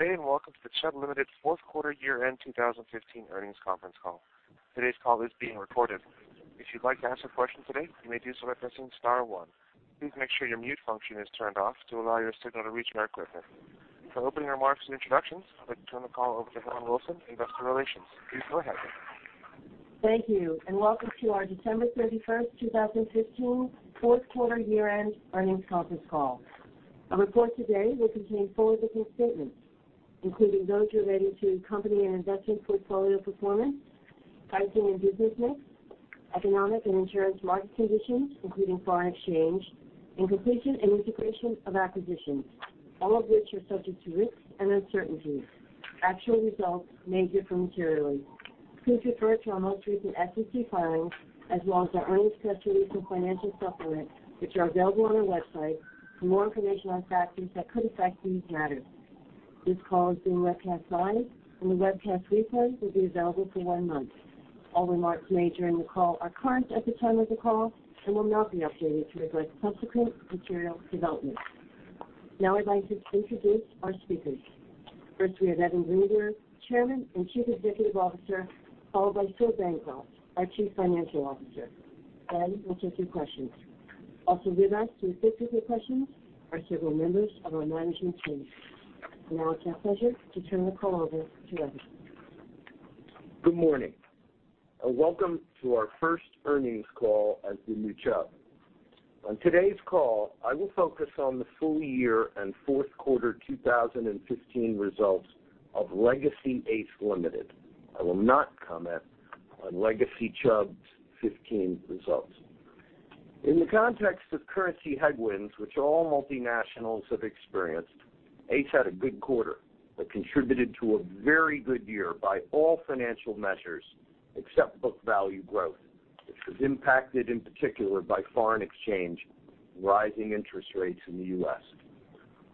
Good day, welcome to the Chubb Limited fourth quarter year-end 2015 earnings conference call. Today's call is being recorded. If you'd like to ask a question today, you may do so by pressing star one. Please make sure your mute function is turned off to allow your signal to reach our equipment. For opening remarks and introductions, I'd like to turn the call over to Karen Beyer, investor relations. Please go ahead. Thank you, welcome to our December 31st, 2015 fourth quarter year-end earnings conference call. Our report today will contain forward-looking statements, including those relating to company and investment portfolio performance, pricing and business mix, economic and insurance market conditions, including foreign exchange, and completion and integration of acquisitions, all of which are subject to risks and uncertainties. Actual results may differ materially. Please refer to our most recent SEC filings, as well as our earnings press release and financial supplement, which are available on our website for more information on factors that could affect these matters. This call is being webcast live, the webcast replay will be available for one month. All remarks made during the call are current at the time of the call and will not be updated to reflect subsequent material developments. Now I'd like to introduce our speakers. First, we have Evan Greenberg, Chairman and Chief Executive Officer, followed by Philip Bancroft, our Chief Financial Officer. Then we'll take some questions. Also with us to assist with questions are several members of our management team. Now it's our pleasure to turn the call over to Evan. Good morning, welcome to our first earnings call as the new Chubb. On today's call, I will focus on the full year and fourth quarter 2015 results of legacy ACE Limited. I will not comment on legacy Chubb's 2015 results. In the context of currency headwinds which all multinationals have experienced, ACE had a good quarter that contributed to a very good year by all financial measures except book value growth, which was impacted in particular by foreign exchange and rising interest rates in the U.S.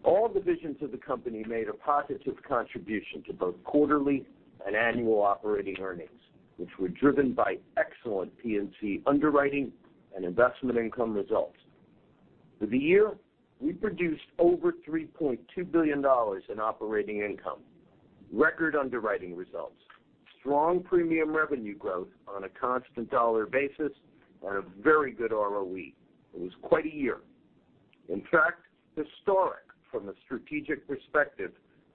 All divisions of the company made a positive contribution to both quarterly and annual operating earnings, which were driven by excellent P&C underwriting and investment income results. For the year, we produced over $3.2 billion in operating income, record underwriting results, strong premium revenue growth on a constant dollar basis, a very good ROE. It was quite a year. In fact, historic from a strategic perspective,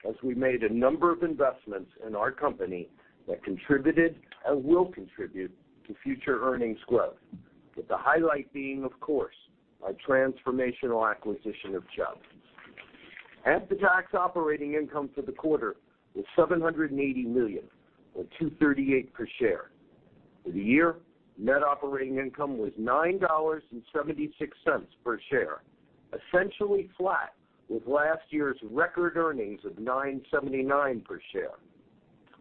as we made a number of investments in our company that contributed and will contribute to future earnings growth, with the highlight being, of course, our transformational acquisition of Chubb. After-tax operating income for the quarter was $780 million, or $2.38 per share. For the year, net operating income was $9.76 per share, essentially flat with last year's record earnings of $9.79 per share.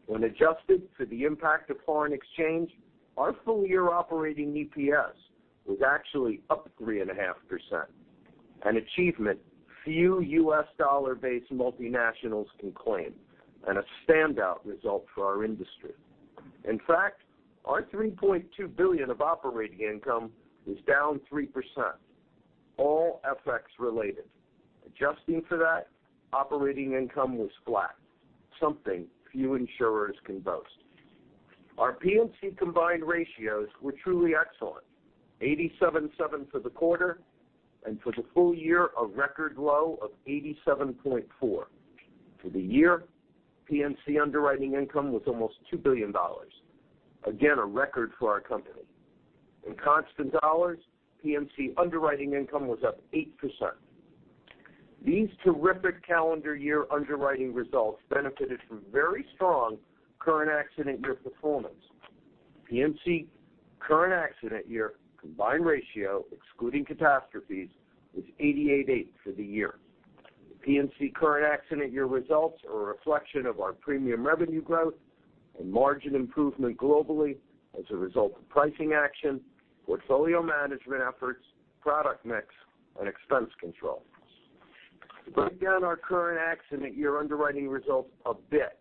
When adjusted for the impact of foreign exchange, our full-year operating EPS was actually up 3.5%, an achievement few U.S. dollar-based multinationals can claim and a standout result for our industry. In fact, our $3.2 billion of operating income was down 3%, all FX related. Adjusting for that, operating income was flat, something few insurers can boast. Our P&C combined ratios were truly excellent, 87.7 for the quarter, and for the full year, a record low of 87.4. For the year, P&C underwriting income was almost $2 billion, again, a record for our company. In constant dollars, P&C underwriting income was up 8%. These terrific calendar year underwriting results benefited from very strong current accident year performance. P&C current accident year combined ratio, excluding catastrophes, was 88.8 for the year. The P&C current accident year results are a reflection of our premium revenue growth and margin improvement globally as a result of pricing action, portfolio management efforts, product mix, and expense control. To break down our current accident year underwriting results a bit,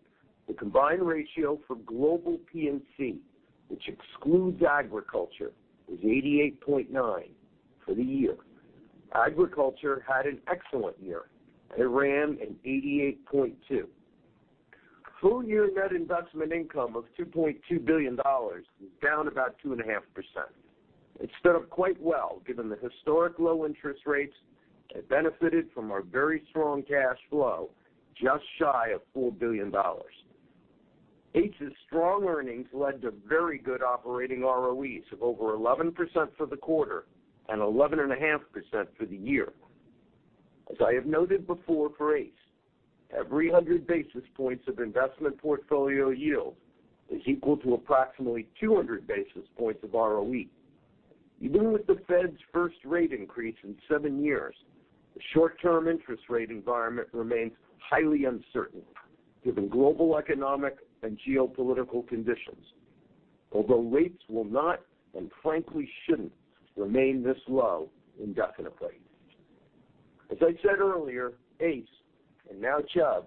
the combined ratio for global P&C, which excludes agriculture, was 88.9 for the year. Agriculture had an excellent year. It ran an 88.2. Full-year net investment income of $2.2 billion was down about 2.5%. It stood up quite well given the historic low interest rates. It benefited from our very strong cash flow, just shy of $4 billion. ACE's strong earnings led to very good operating ROEs of over 11% for the quarter and 11.5% for the year. As I have noted before for ACE, every 100 basis points of investment portfolio yield is equal to approximately 200 basis points of ROE. Even with the Fed's first rate increase in seven years, the short-term interest rate environment remains highly uncertain given global economic and geopolitical conditions, although rates will not, and frankly shouldn't, remain this low indefinitely. As I said earlier, ACE, and now Chubb,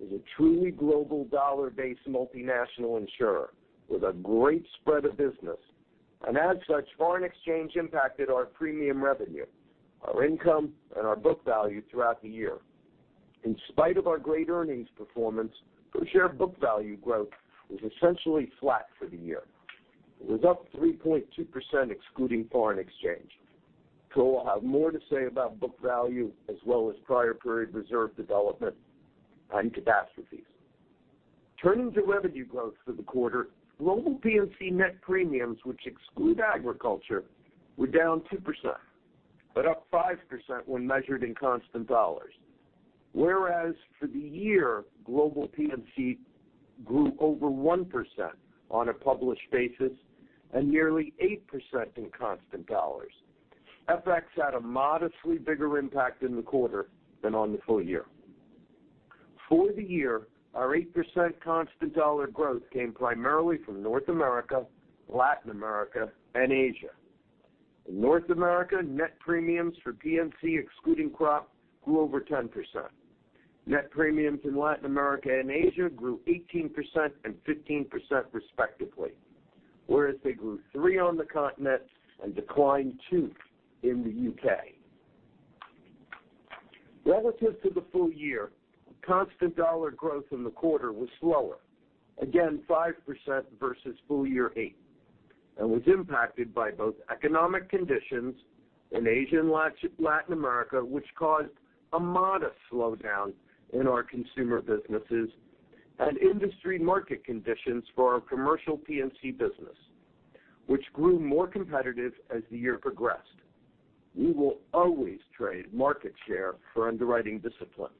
is a truly global dollar-based multinational insurer with a great spread of business. As such, foreign exchange impacted our premium revenue, our income, and our book value throughout the year. In spite of our great earnings performance, per share book value growth was essentially flat for the year. It was up 3.2% excluding foreign exchange. We'll have more to say about book value as well as prior period reserve development and catastrophes. Turning to revenue growth for the quarter, global P&C net premiums, which exclude agriculture, were down 2%, but up 5% when measured in constant dollars. Whereas for the year, global P&C grew over 1% on a published basis and nearly 8% in constant dollars. FX had a modestly bigger impact in the quarter than on the full year. For the year, our 8% constant dollar growth came primarily from North America, Latin America, and Asia. In North America, net premiums for P&C excluding crop grew over 10%. Net premiums in Latin America and Asia grew 18% and 15% respectively. Whereas they grew three on the continent and declined two in the U.K. Relative to the full year, constant dollar growth in the quarter was slower, again, 5% versus full year 8, and was impacted by both economic conditions in Asia and Latin America, which caused a modest slowdown in our consumer businesses, and industry market conditions for our commercial P&C business, which grew more competitive as the year progressed. We will always trade market share for underwriting discipline.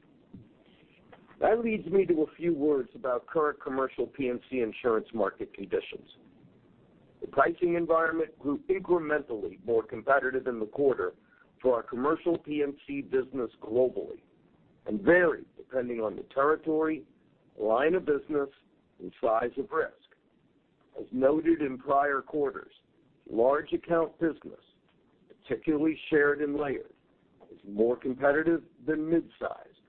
That leads me to a few words about current commercial P&C insurance market conditions. The pricing environment grew incrementally more competitive in the quarter for our commercial P&C business globally and varied depending on the territory, line of business, and size of risk. As noted in prior quarters, large account business, particularly shared and layered, is more competitive than mid-sized.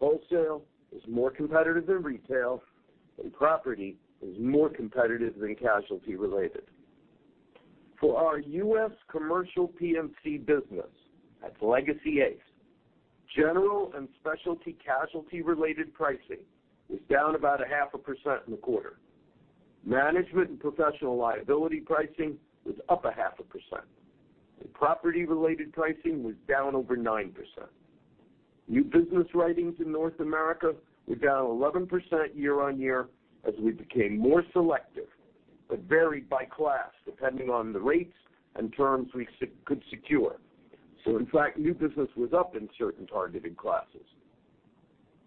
Wholesale is more competitive than retail, and property is more competitive than casualty related. For our U.S. commercial P&C business, that's legacy ACE, general and specialty casualty related pricing was down about a half a percent in the quarter. Management and professional liability pricing was up a half a percent, and property related pricing was down over 9%. New business writings in North America were down 11% year-on-year as we became more selective but varied by class depending on the rates and terms we could secure. In fact, new business was up in certain targeted classes.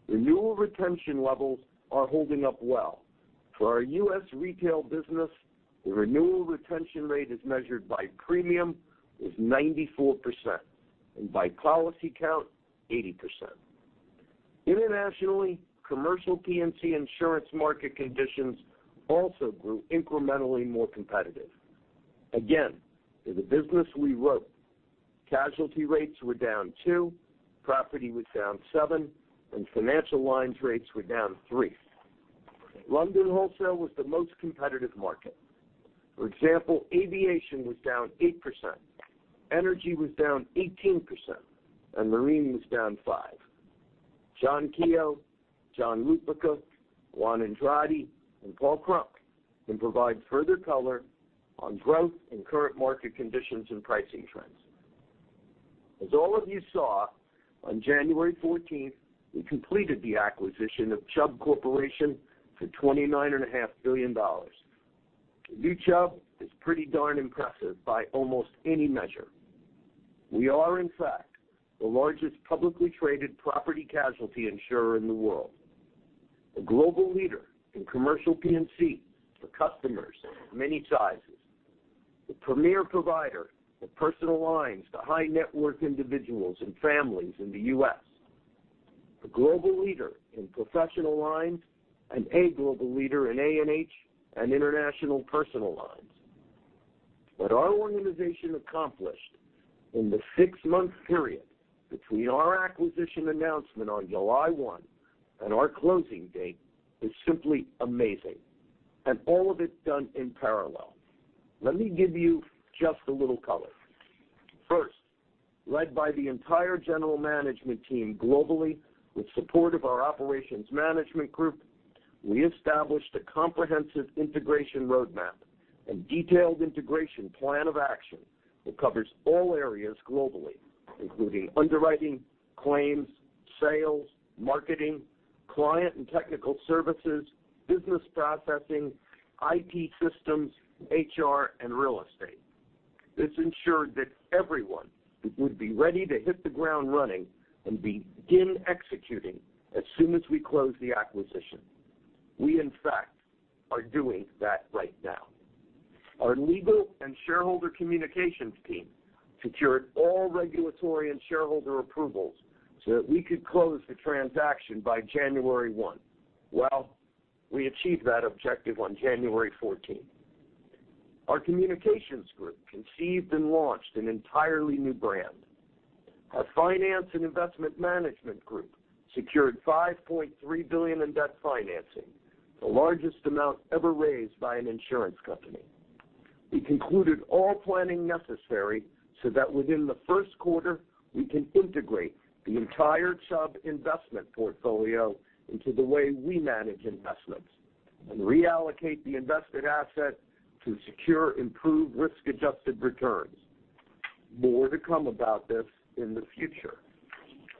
Renewal retention levels are holding up well. For our U.S. retail business, the renewal retention rate as measured by premium was 94%, and by policy count, 80%. Internationally, commercial P&C insurance market conditions also grew incrementally more competitive. Again, in the business we wrote, casualty rates were down two, property was down seven, and financial lines rates were down three. London wholesale was the most competitive market. For example, aviation was down 8%, energy was down 18%, and marine was down 5%. John Keogh, John Lupica, Juan Andrade, and Paul Krump can provide further color on growth and current market conditions and pricing trends. As all of you saw, on January 14th, we completed the acquisition of Chubb Corporation for $29.5 billion. The new Chubb is pretty darn impressive by almost any measure. We are, in fact, the largest publicly traded property casualty insurer in the world, a global leader in commercial P&C for customers of many sizes, the premier provider of personal lines to high net worth individuals and families in the U.S., a global leader in professional lines, and a global leader in A&H and international personal lines. What our organization accomplished in the six-month period between our acquisition announcement on July 1 and our closing date is simply amazing, and all of it done in parallel. Let me give you just a little color. First, led by the entire general management team globally with support of our operations management group, we established a comprehensive integration roadmap and detailed integration plan of action that covers all areas globally, including underwriting, claims, sales, marketing, client and technical services, business processing, IT systems, HR, and real estate. This ensured that everyone would be ready to hit the ground running and begin executing as soon as we close the acquisition. We, in fact, are doing that right now. Our legal and shareholder communications team secured all regulatory and shareholder approvals so that we could close the transaction by January 1. Well, we achieved that objective on January 14th. Our communications group conceived and launched an entirely new brand. Our finance and investment management group secured $5.3 billion in debt financing, the largest amount ever raised by an insurance company. That within the 1st quarter, we can integrate the entire Chubb investment portfolio into the way we manage investments and reallocate the invested asset to secure improved risk-adjusted returns. More to come about this in the future.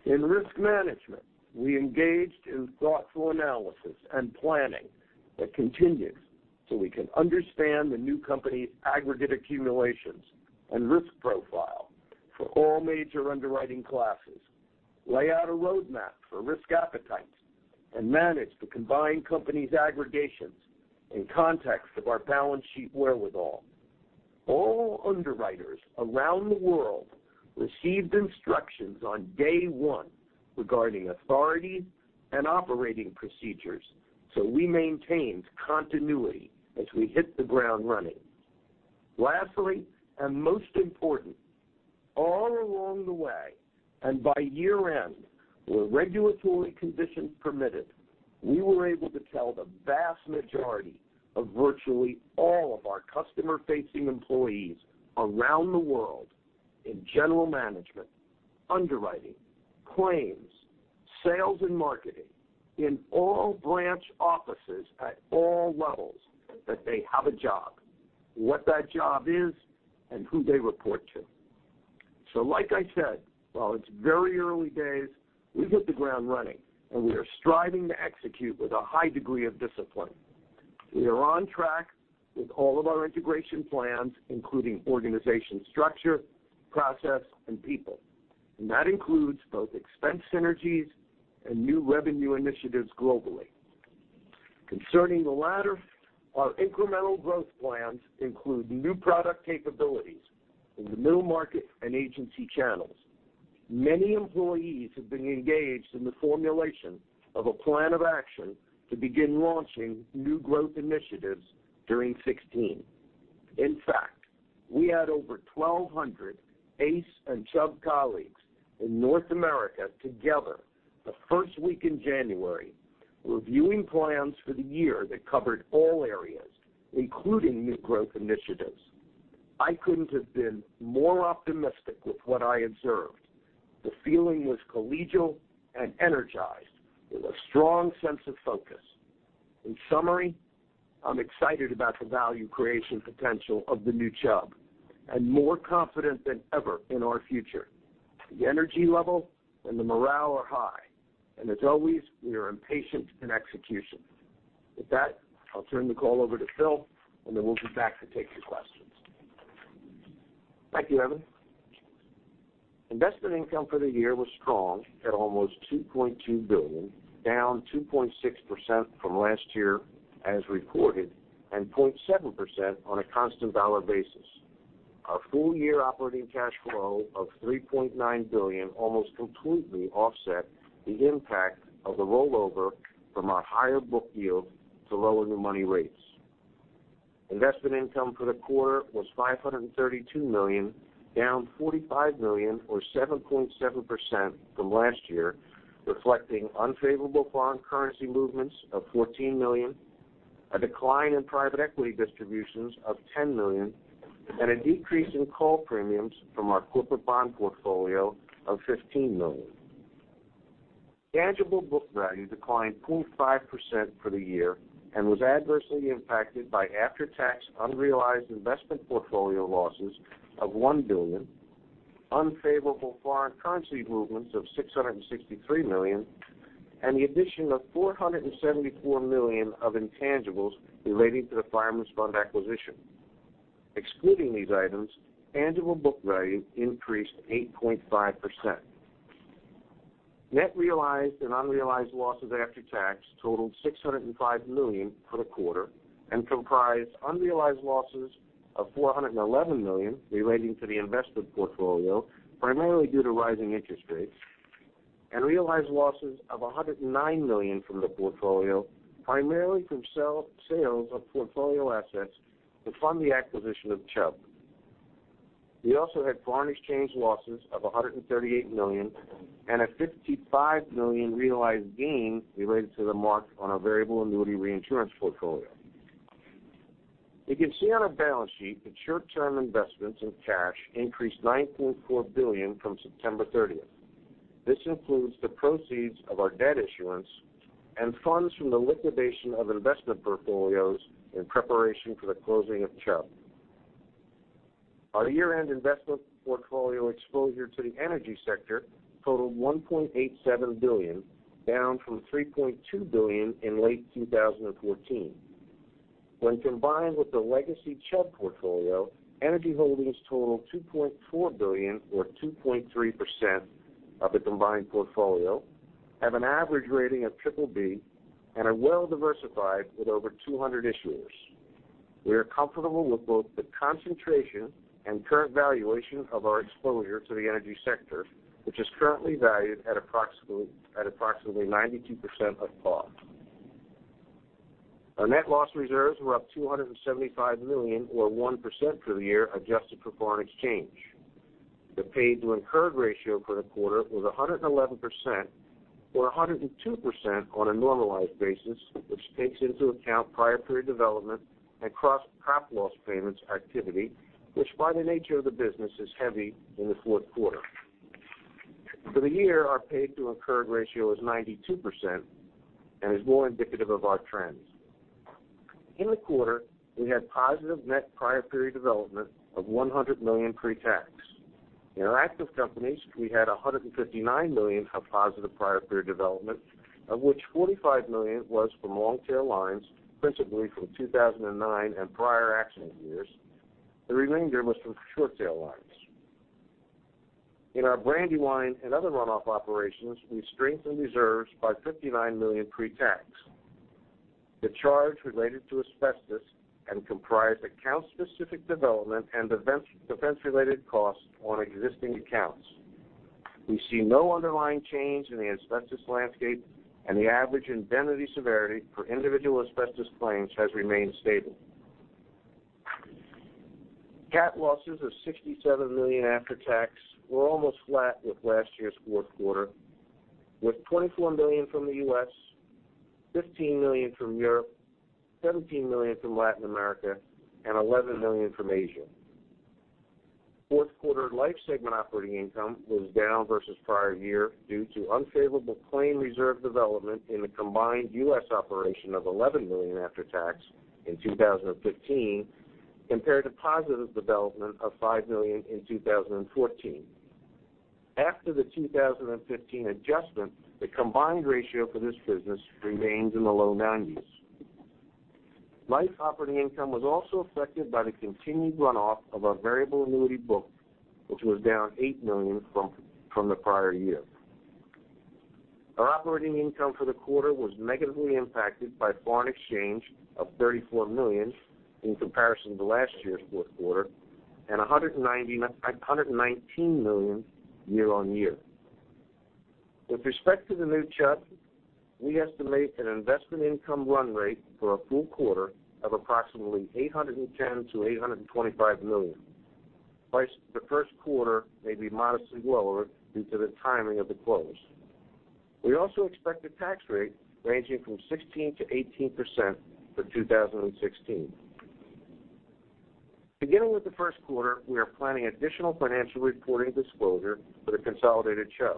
In risk management, we engaged in thoughtful analysis and planning that continues we can understand the new company's aggregate accumulations and risk profile for all major underwriting classes, lay out a roadmap for risk appetite, and manage the combined company's aggregations in context of our balance sheet wherewithal. All underwriters around the world received instructions on day one regarding authority and operating procedures, we maintained continuity as we hit the ground running. Lastly, and most important, all along the way, and by year-end, where regulatory conditions permitted, we were able to tell the vast majority of virtually all of our customer-facing employees around the world in general management, underwriting, claims, sales, and marketing, in all branch offices at all levels, that they have a job, what that job is, and who they report to. Like I said, while it's very early days, we hit the ground running and we are striving to execute with a high degree of discipline. We are on track with all of our integration plans, including organization structure, process, and people. That includes both expense synergies and new revenue initiatives globally. Concerning the latter, our incremental growth plans include new product capabilities in the middle market and agency channels. Many employees have been engaged in the formulation of a plan of action to begin launching new growth initiatives during 2016. In fact, we had over 1,200 ACE and Chubb colleagues in North America together the 1st week in January, reviewing plans for the year that covered all areas, including new growth initiatives. I couldn't have been more optimistic with what I observed. The feeling was collegial and energized with a strong sense of focus. In summary, I'm excited about the value creation potential of the new Chubb and more confident than ever in our future. The energy level and the morale are high, and as always, we are impatient in execution. With that, I'll turn the call over to Phil, and then we'll be back to take your questions. Thank you, Evan. Investment income for the year was strong at almost $2.2 billion, down 2.6% from last year as reported and 0.7% on a constant dollar basis. Our full year operating cash flow of $3.9 billion almost completely offset the impact of the rollover from our higher book yield to lower than money rates. Investment income for the quarter was $532 million, down $45 million or 7.7% from last year, reflecting unfavorable foreign currency movements of $14 million, a decline in private equity distributions of $10 million, and a decrease in call premiums from our corporate bond portfolio of $15 million. Tangible book value declined 2.5% for the year and was adversely impacted by after-tax unrealized investment portfolio losses of $1 billion, unfavorable foreign currency movements of $663 million, and the addition of $474 million of intangibles relating to the Fireman's Fund acquisition. Excluding these items, tangible book value increased 8.5%. Net realized and unrealized losses after tax totaled $605 million for the quarter and comprised unrealized losses of $411 million relating to the investment portfolio, primarily due to rising interest rates, and realized losses of $109 million from the portfolio, primarily from sales of portfolio assets to fund the acquisition of Chubb. We also had foreign exchange losses of $138 million and a $55 million realized gain related to the mark on our variable annuity reinsurance portfolio. You can see on our balance sheet that short-term investments in cash increased $9.4 billion from September 30th. This includes the proceeds of our debt issuance and funds from the liquidation of investment portfolios in preparation for the closing of Chubb. Our year-end investment portfolio exposure to the energy sector totaled $1.87 billion, down from $3.2 billion in late 2014. When combined with the legacy Chubb portfolio, energy holdings total $2.4 billion or 2.3% of the combined portfolio, have an average rating of triple B, and are well diversified with over 200 issuers. We are comfortable with both the concentration and current valuation of our exposure to the energy sector, which is currently valued at approximately 92% of cost. Our net loss reserves were up $275 million, or 1%, for the year adjusted for foreign exchange. The paid to incurred ratio for the quarter was 111%, or 102% on a normalized basis, which takes into account prior period development and crop loss payments activity, which by the nature of the business is heavy in the fourth quarter. For the year, our paid to incurred ratio is 92% and is more indicative of our trends. In the quarter, we had positive net prior period development of $100 million pre-tax. In our active companies, we had $159 million of positive prior period development, of which $45 million was from long-tail lines, principally from 2009 and prior accident years. The remainder was from short tail lines. In our Brandywine and other runoff operations, we strengthened reserves by $59 million pre-tax. The charge related to asbestos and comprised account specific development and defense related costs on existing accounts. We see no underlying change in the asbestos landscape and the average indemnity severity for individual asbestos claims has remained stable. Cat losses of $67 million after tax were almost flat with last year's fourth quarter, with $24 million from the U.S., $15 million from Europe, $17 million from Latin America and $11 million from Asia. Fourth quarter life segment operating income was down versus prior year due to unfavorable claim reserve development in the combined U.S. operation of $11 million after tax in 2015, compared to positive development of $5 million in 2014. After the 2015 adjustment, the combined ratio for this business remains in the low nineties. Life operating income was also affected by the continued runoff of our variable annuity book, which was down $8 million from the prior year. Our operating income for the quarter was negatively impacted by foreign exchange of $34 million in comparison to last year's fourth quarter and $119 million year-over-year. With respect to the new Chubb, we estimate an investment income run rate for a full quarter of approximately $810 million-$825 million. The first quarter may be modestly lower due to the timing of the close. We also expect a tax rate ranging from 16%-18% for 2016. Beginning with the first quarter, we are planning additional financial reporting disclosure for the consolidated Chubb.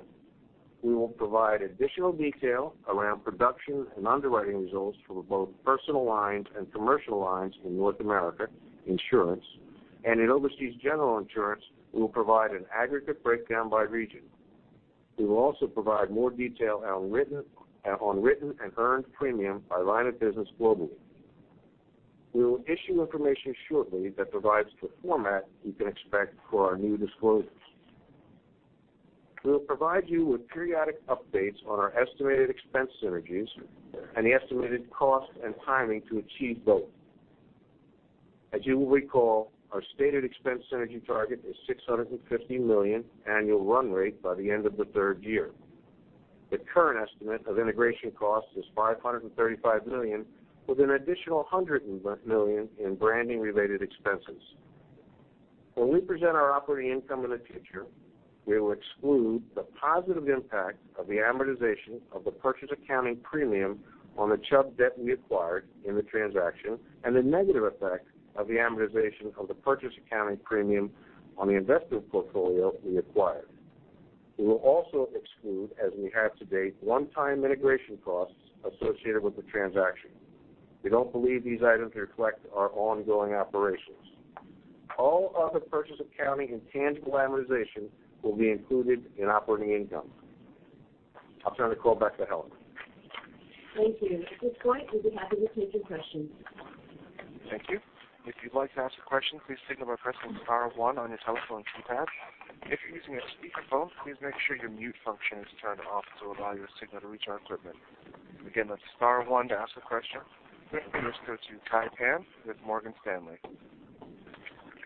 We will provide additional detail around production and underwriting results for both personal lines and commercial lines in North America Insurance, and in Overseas General Insurance, we will provide an aggregate breakdown by region. We will also provide more detail on written and earned premium by line of business globally. We will issue information shortly that provides the format you can expect for our new disclosures. We will provide you with periodic updates on our estimated expense synergies and the estimated cost and timing to achieve both. As you will recall, our stated expense synergy target is $650 million annual run rate by the end of the third year. The current estimate of integration cost is $535 million, with an additional $100 million in branding related expenses. When we present our operating income in the future, we will exclude the positive impact of the amortization of the purchase accounting premium on the Chubb debt we acquired in the transaction and the negative effect of the amortization of the purchase accounting premium on the investment portfolio we acquired. We will also exclude, as we have to date, one-time integration costs associated with the transaction. We don't believe these items reflect our ongoing operations. All other purchase accounting and tangible amortization will be included in operating income. I'll turn the call back to Karen. Thank you. At this point, we'll be happy to take your questions. Thank you. If you'd like to ask a question, please signal by pressing star one on your telephone keypad. If you're using a speakerphone, please make sure your mute function is turned off to allow your signal to reach our equipment. Again, that's star one to ask a question. First, let's go to Kai Pan with Morgan Stanley.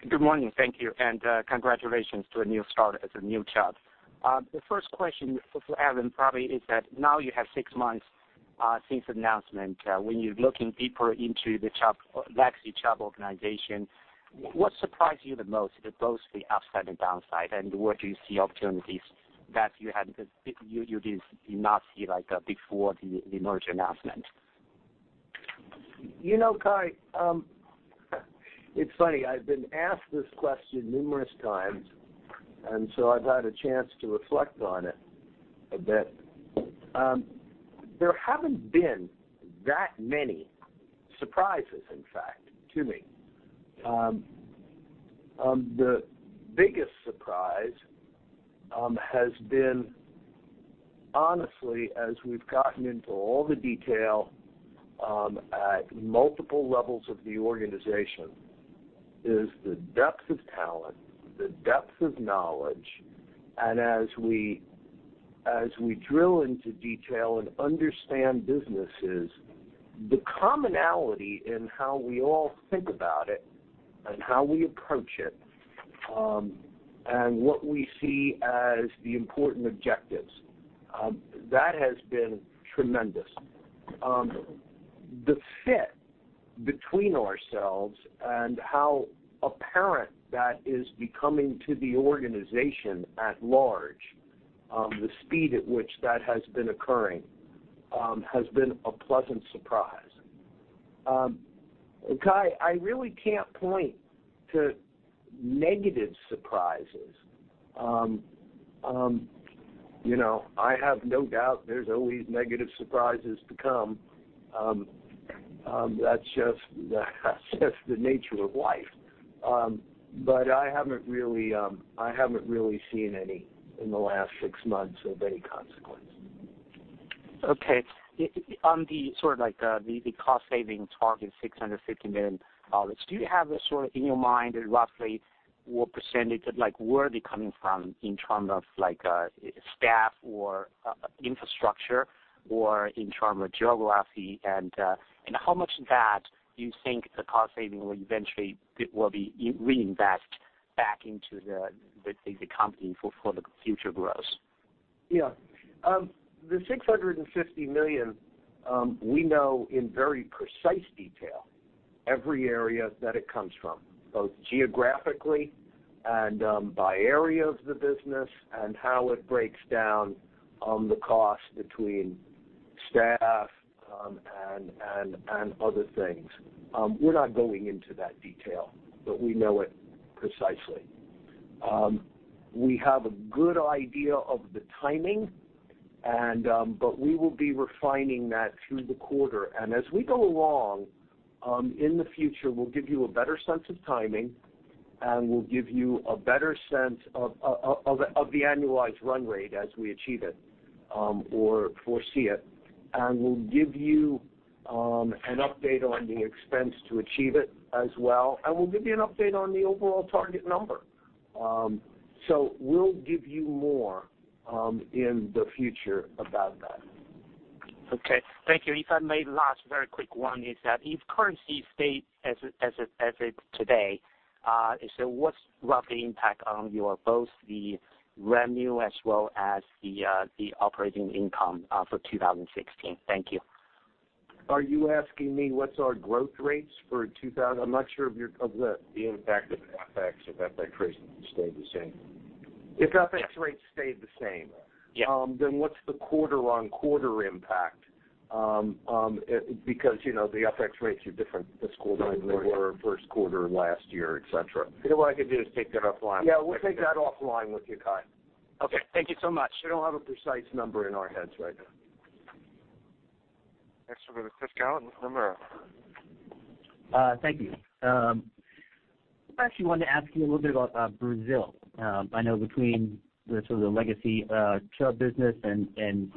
Good morning. Thank you and congratulations to a new start as the new Chubb. The first question for Evan probably is that now you have 6 months since announcement. When you're looking deeper into the legacy Chubb organization, what surprised you the most, both the upside and downside, and where do you see opportunities that you did not see, like, before the merger announcement? You know, Kai, it's funny, I've been asked this question numerous times, I've had a chance to reflect on it a bit. There haven't been that many surprises, in fact, to me. The biggest surprise has been honestly, as we've gotten into all the detail, at multiple levels of the organization, is the depth of talent, the depth of knowledge, and as we drill into detail and understand businesses, the commonality in how we all think about it and how we approach it What we see as the important objectives. That has been tremendous. The fit between ourselves and how apparent that is becoming to the organization at large, the speed at which that has been occurring, has been a pleasant surprise. Kai, I really can't point to negative surprises. I have no doubt there's always negative surprises to come. That's just the nature of life. I haven't really seen any in the last 6 months of any consequence. Okay. On the cost-saving target, $650 million, do you have in your mind roughly what percentage, where are they coming from in term of staff or infrastructure or in term of geography? How much of that you think the cost saving will eventually be reinvest back into the company for the future growth? Yeah. The $650 million, we know in very precise detail every area that it comes from, both geographically and by area of the business and how it breaks down the cost between staff and other things. We're not going into that detail, but we know it precisely. We have a good idea of the timing, but we will be refining that through the quarter. As we go along, in the future, we'll give you a better sense of timing, we'll give you a better sense of the annualized run rate as we achieve it, or foresee it. We'll give you an update on the expense to achieve it as well, we'll give you an update on the overall target number. We'll give you more in the future about that. Okay. Thank you. If I may, last very quick one is that if currency stays as it is today, what's roughly impact on your both the revenue as well as the operating income for 2016? Thank you. Are you asking me what's our growth rates for? The impact of FX, if FX rates stayed the same. If FX rates stayed the same. Yeah. What's the quarter-on-quarter impact? Because the FX rates are different this quarter than they were first quarter last year, et cetera. What I could do is take that offline. Yeah, we'll take that offline with you, Kai. Okay. Thank you so much. We don't have a precise number in our heads right now. Next over to. [inaudible] Thank you. I actually wanted to ask you a little bit about Brazil. I know between the sort of legacy Chubb business and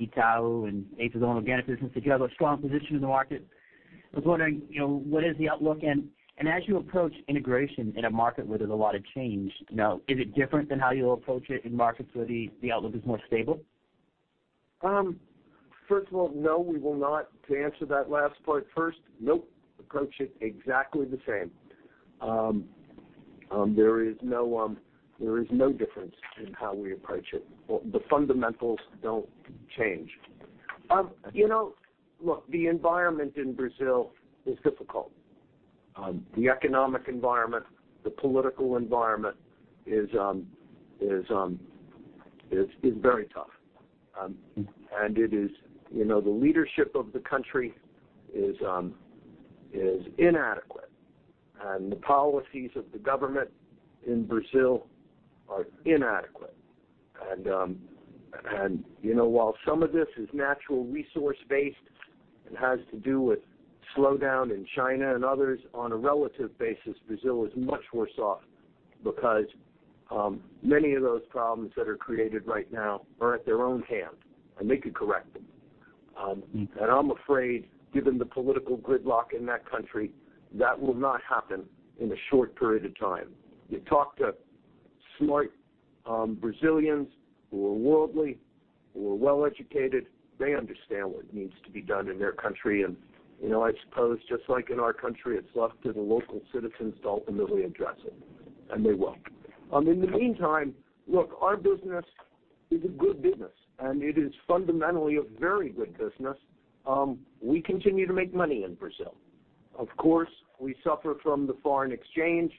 Itaú and ACE's own organic business together, a strong position in the market. I was wondering, what is the outlook? As you approach integration in a market where there's a lot of change now, is it different than how you'll approach it in markets where the outlook is more stable? First of all, no, we will not. To answer that last part first, Nope. Approach it exactly the same. There is no difference in how we approach it. The fundamentals don't change. Look, the environment in Brazil is difficult. The economic environment, the political environment is very tough. The leadership of the country is inadequate, and the policies of the government in Brazil are inadequate. While some of this is natural resource based and has to do with slowdown in China and others, on a relative basis, Brazil is much worse off because many of those problems that are created right now are at their own hand, and they could correct them. I'm afraid given the political gridlock in that country, that will not happen in a short period of time. You talk to smart Brazilians who are worldly, who are well-educated, they understand what needs to be done in their country. I suppose just like in our country, it's left to the local citizens to ultimately address it, and they will. In the meantime, look, our business is a good business, and it is fundamentally a very good business. We continue to make money in Brazil. Of course, we suffer from the foreign exchange,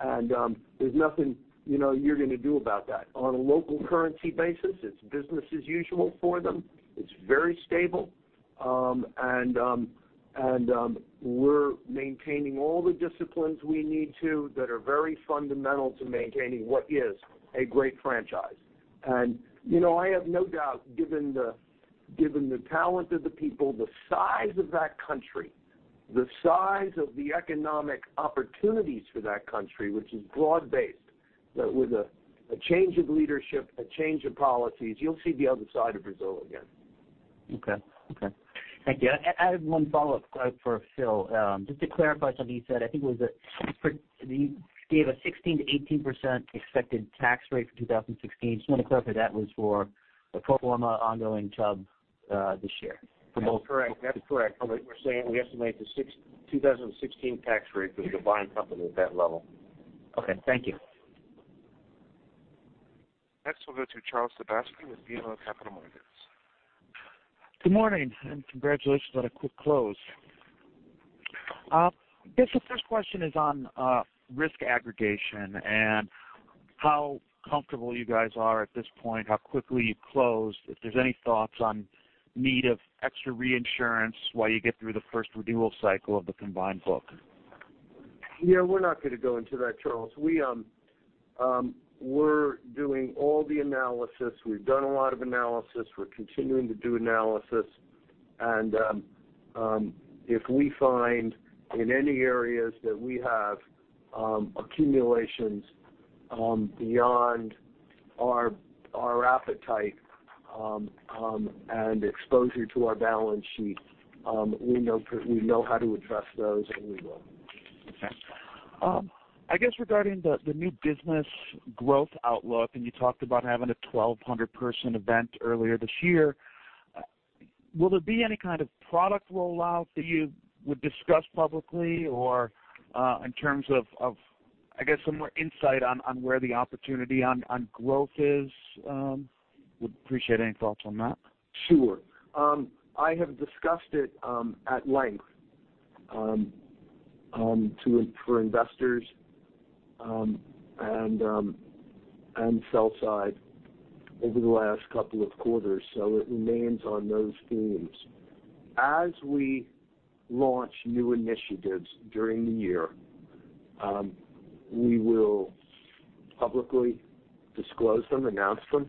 and there's nothing you're going to do about that. On a local currency basis, it's business as usual for them. It's very stable. We're maintaining all the disciplines we need to that are very fundamental to maintaining what is a great franchise. I have no doubt given the talent of the people, the size of that country, the size of the economic opportunities for that country, which is broad based, that with a change of leadership, a change of policies, you'll see the other side of Brazil again. Okay. Thank you. I have one follow-up for Phil. Just to clarify something you said, I think you gave a 16%-18% expected tax rate for 2016. Just want to clarify that was for a pro forma ongoing Chubb- This year. That's correct. We're saying we estimate the 2016 tax rate for the combined company at that level. Okay. Thank you. Next, we'll go to Charles Sebaski with BMO Capital Markets. Good morning. Congratulations on a quick close. I guess the first question is on risk aggregation and how comfortable you guys are at this point, how quickly you've closed, if there's any thoughts on need of extra reinsurance while you get through the first renewal cycle of the combined book. Yeah, we're not going to go into that, Charles. We're doing all the analysis. We've done a lot of analysis. We're continuing to do analysis. If we find in any areas that we have accumulations beyond our appetite and exposure to our balance sheet, we know how to address those, and we will. Okay. I guess regarding the new business growth outlook. You talked about having a 1,200-person event earlier this year. Will there be any kind of product rollout that you would discuss publicly or in terms of, I guess, some more insight on where the opportunity on growth is? Would appreciate any thoughts on that. Sure. I have discussed it at length for investors and sell side over the last couple of quarters. It remains on those themes. As we launch new initiatives during the year, we will publicly disclose them, announce them.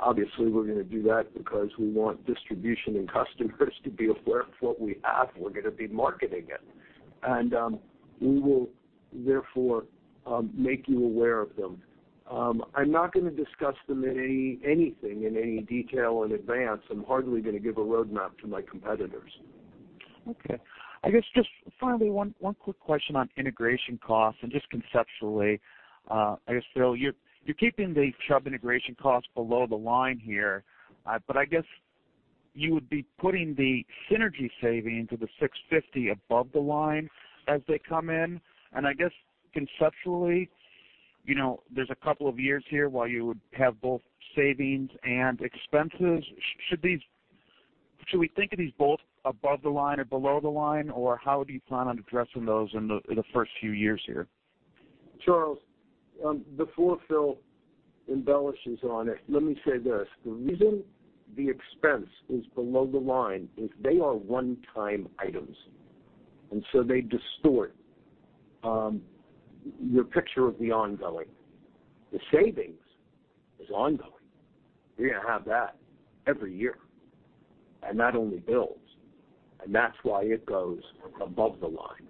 Obviously, we're going to do that because we want distribution and customers to be aware of what we have. We're going to be marketing it. We will therefore make you aware of them. I'm not going to discuss them in anything in any detail in advance. I'm hardly going to give a roadmap to my competitors. Okay. I guess just finally, one quick question on integration costs and just conceptually, I guess, Phil, you're keeping the Chubb integration cost below the line here, but I guess you would be putting the synergy savings of the $650 above the line as they come in. I guess conceptually, there's a couple of years here while you would have both savings and expenses. Should we think of these both above the line or below the line, or how do you plan on addressing those in the first few years here? Charles, before Phil embellishes on it, let me say this. The reason the expense is below the line is they are one-time items, and so they distort your picture of the ongoing. The savings is ongoing. You're going to have that every year, and that only builds, and that's why it goes above the line.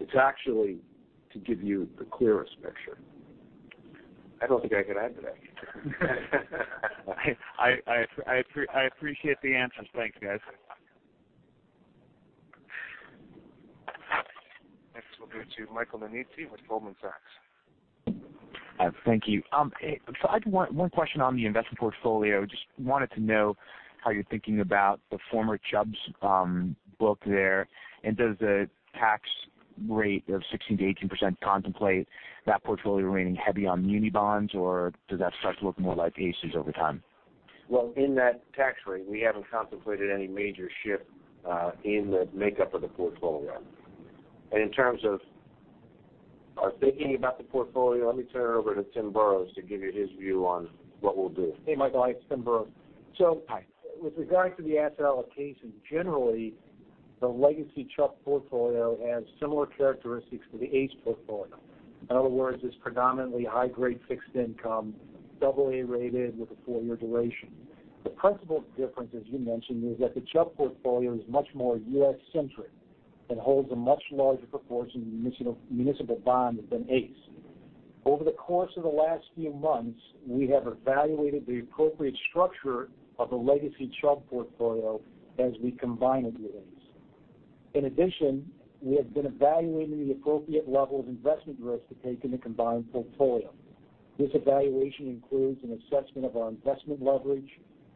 It's actually to give you the clearest picture. I don't think I can add to that. I appreciate the answers. Thanks, guys. Next we'll go to Michael Nannizzi with Goldman Sachs. Thank you. I had one question on the investment portfolio. Just wanted to know how you're thinking about the former Chubb's book there, and does the tax rate of 16%-18% contemplate that portfolio remaining heavy on muni bonds, or does that start to look more like ACE's over time? Well, in that tax rate, we haven't contemplated any major shift in the makeup of the portfolio. In terms of our thinking about the portfolio, let me turn it over to Tim Burroughs to give you his view on what we'll do. Hey, Michael. Hi, it's Tim Burroughs. Hi. With regard to the asset allocation, generally, the legacy Chubb portfolio has similar characteristics to the ACE portfolio. In other words, it's predominantly high-grade fixed income, AA-rated with a four-year duration. The principal difference, as you mentioned, is that the Chubb portfolio is much more U.S.-centric and holds a much larger proportion of municipal bond than ACE. Over the course of the last few months, we have evaluated the appropriate structure of the legacy Chubb portfolio as we combine it with ACE. We have been evaluating the appropriate level of investment risk to take in the combined portfolio. This evaluation includes an assessment of our investment leverage,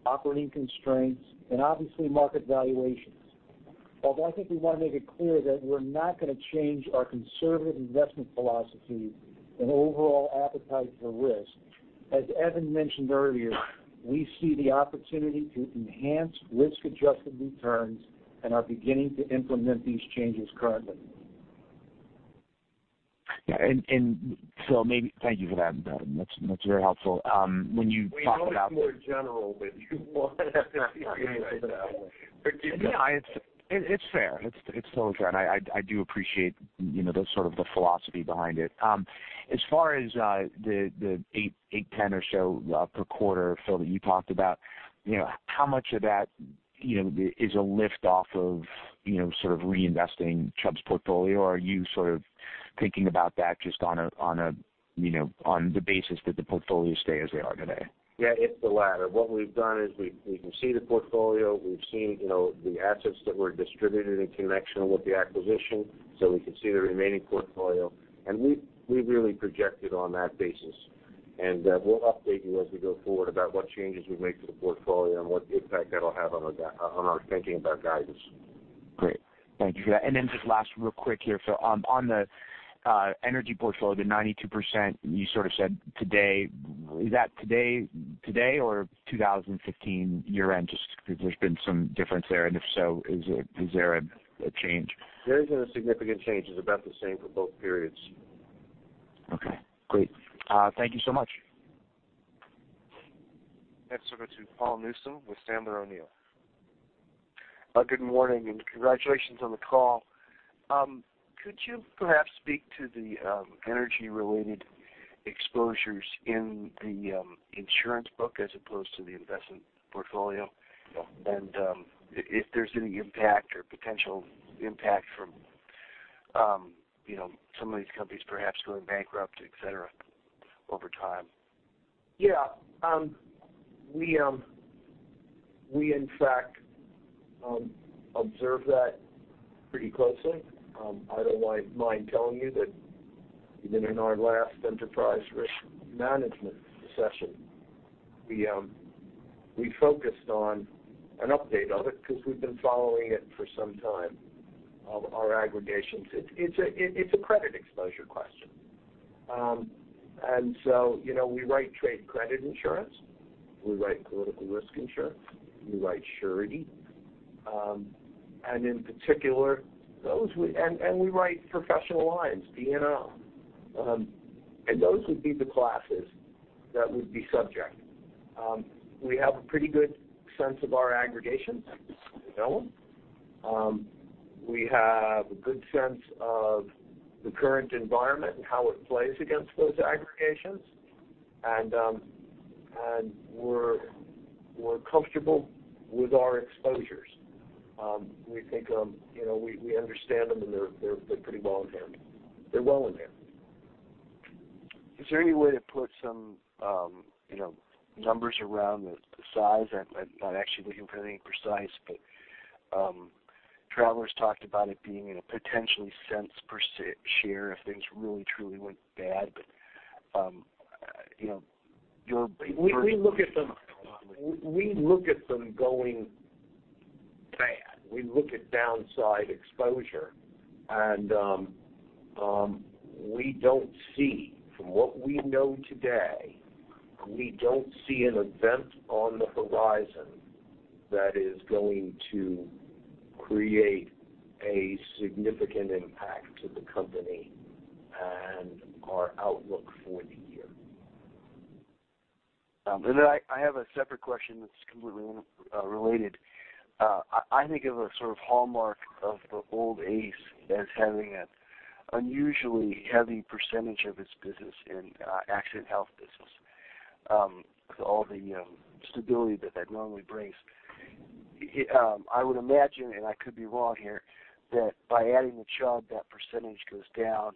operating constraints, and obviously market valuations. I think we want to make it clear that we're not going to change our conservative investment philosophy and overall appetite for risk. As Evan mentioned earlier, we see the opportunity to enhance risk-adjusted returns and are beginning to implement these changes currently. Thank you for that, Evan. That's very helpful. We know it's more general, but you want us to be specific. Yeah. It's fair. It's totally fair, and I do appreciate the philosophy behind it. As far as the $810 or so per quarter, Phil, that you talked about, how much of that is a lift off of sort of reinvesting Chubb's portfolio, or are you sort of thinking about that just on the basis that the portfolios stay as they are today? Yeah, it's the latter. What we've done is we can see the portfolio, we've seen the assets that were distributed in connection with the acquisition, so we can see the remaining portfolio. We really project it on that basis. We'll update you as we go forward about what changes we make to the portfolio and what impact that'll have on our thinking about guidance. Great. Thank you for that. Just last real quick here, Phil, on the energy portfolio, the 92%, you sort of said today. Is that today or 2015 year-end? Just because there's been some difference there, and if so, is there a change? There isn't a significant change. It's about the same for both periods. Okay, great. Thank you so much. Next over to Paul Newsome with Sandler O'Neill. Good morning, congratulations on the call. Could you perhaps speak to the energy-related exposures in the insurance book as opposed to the investment portfolio? Yeah. If there's any impact or potential impact from some of these companies perhaps going bankrupt, et cetera, over time. Yeah. We, in fact, observe that pretty closely. I don't mind telling you that even in our last enterprise risk management session, we focused on an update of it because we've been following it for some time, our aggregations. It's a credit exposure question. We write trade credit insurance, we write political risk insurance, we write surety. In particular, those we write professional lines, D&O. Those would be the classes that would be subject. We have a pretty good sense of our aggregations. We know them. We have a good sense of the current environment and how it plays against those aggregations. We're comfortable with our exposures. We think we understand them, and they're pretty well in hand. They're well in hand. Is there any way to put some numbers around the size? I'm not actually looking for anything precise, Travelers talked about it being in a potentially cents per share if things really, truly went bad. We look at them going bad. We look at downside exposure. We don't see, from what we know today, we don't see an event on the horizon that is going to create a significant impact to the company and our outlook for the year. I have a separate question that's completely related. I think of a sort of hallmark of the old ACE as having an unusually heavy percentage of its business in accident health business, with all the stability that that normally brings. I would imagine, and I could be wrong here, that by adding the Chubb, that percentage goes down.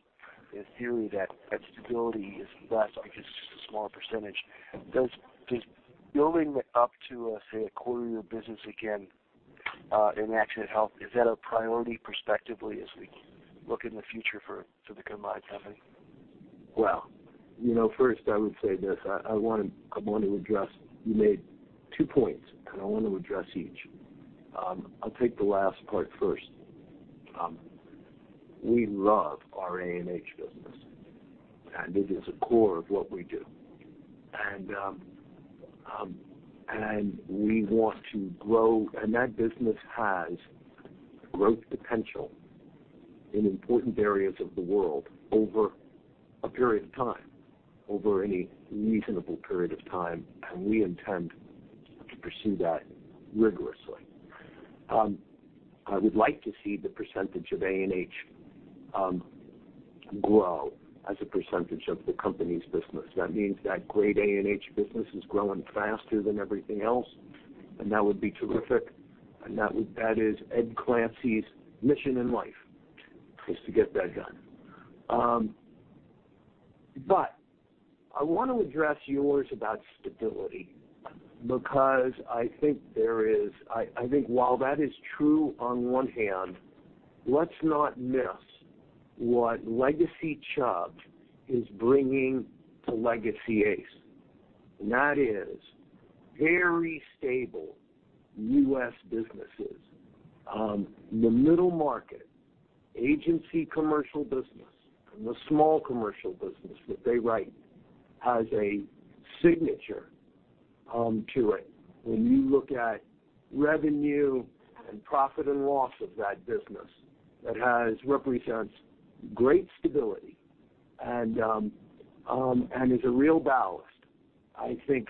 The theory that stability is less because it's just a smaller percentage. Does building it up to, say, a quarter of your business again in accident health, is that a priority perspectively as we look in the future for the combined company? Well, first I would say this. I want to address. You made two points, and I want to address each. I'll take the last part first. We love our A&H business, and it is a core of what we do. We want to grow. That business has growth potential in important areas of the world over a period of time, over any reasonable period of time, and we intend to pursue that rigorously. I would like to see the percentage of A&H grow as a percentage of the company's business. That means that great A&H business is growing faster than everything else, and that would be terrific. That is Ed Clancy's mission in life, is to get that done. I want to address yours about stability, because I think while that is true on one hand, let's not miss what legacy Chubb is bringing to legacy ACE. That is very stable U.S. businesses. The middle market agency commercial business and the small commercial business that they write has a signature to it. When you look at revenue and profit and loss of that business, that represents great stability and is a real ballast. I think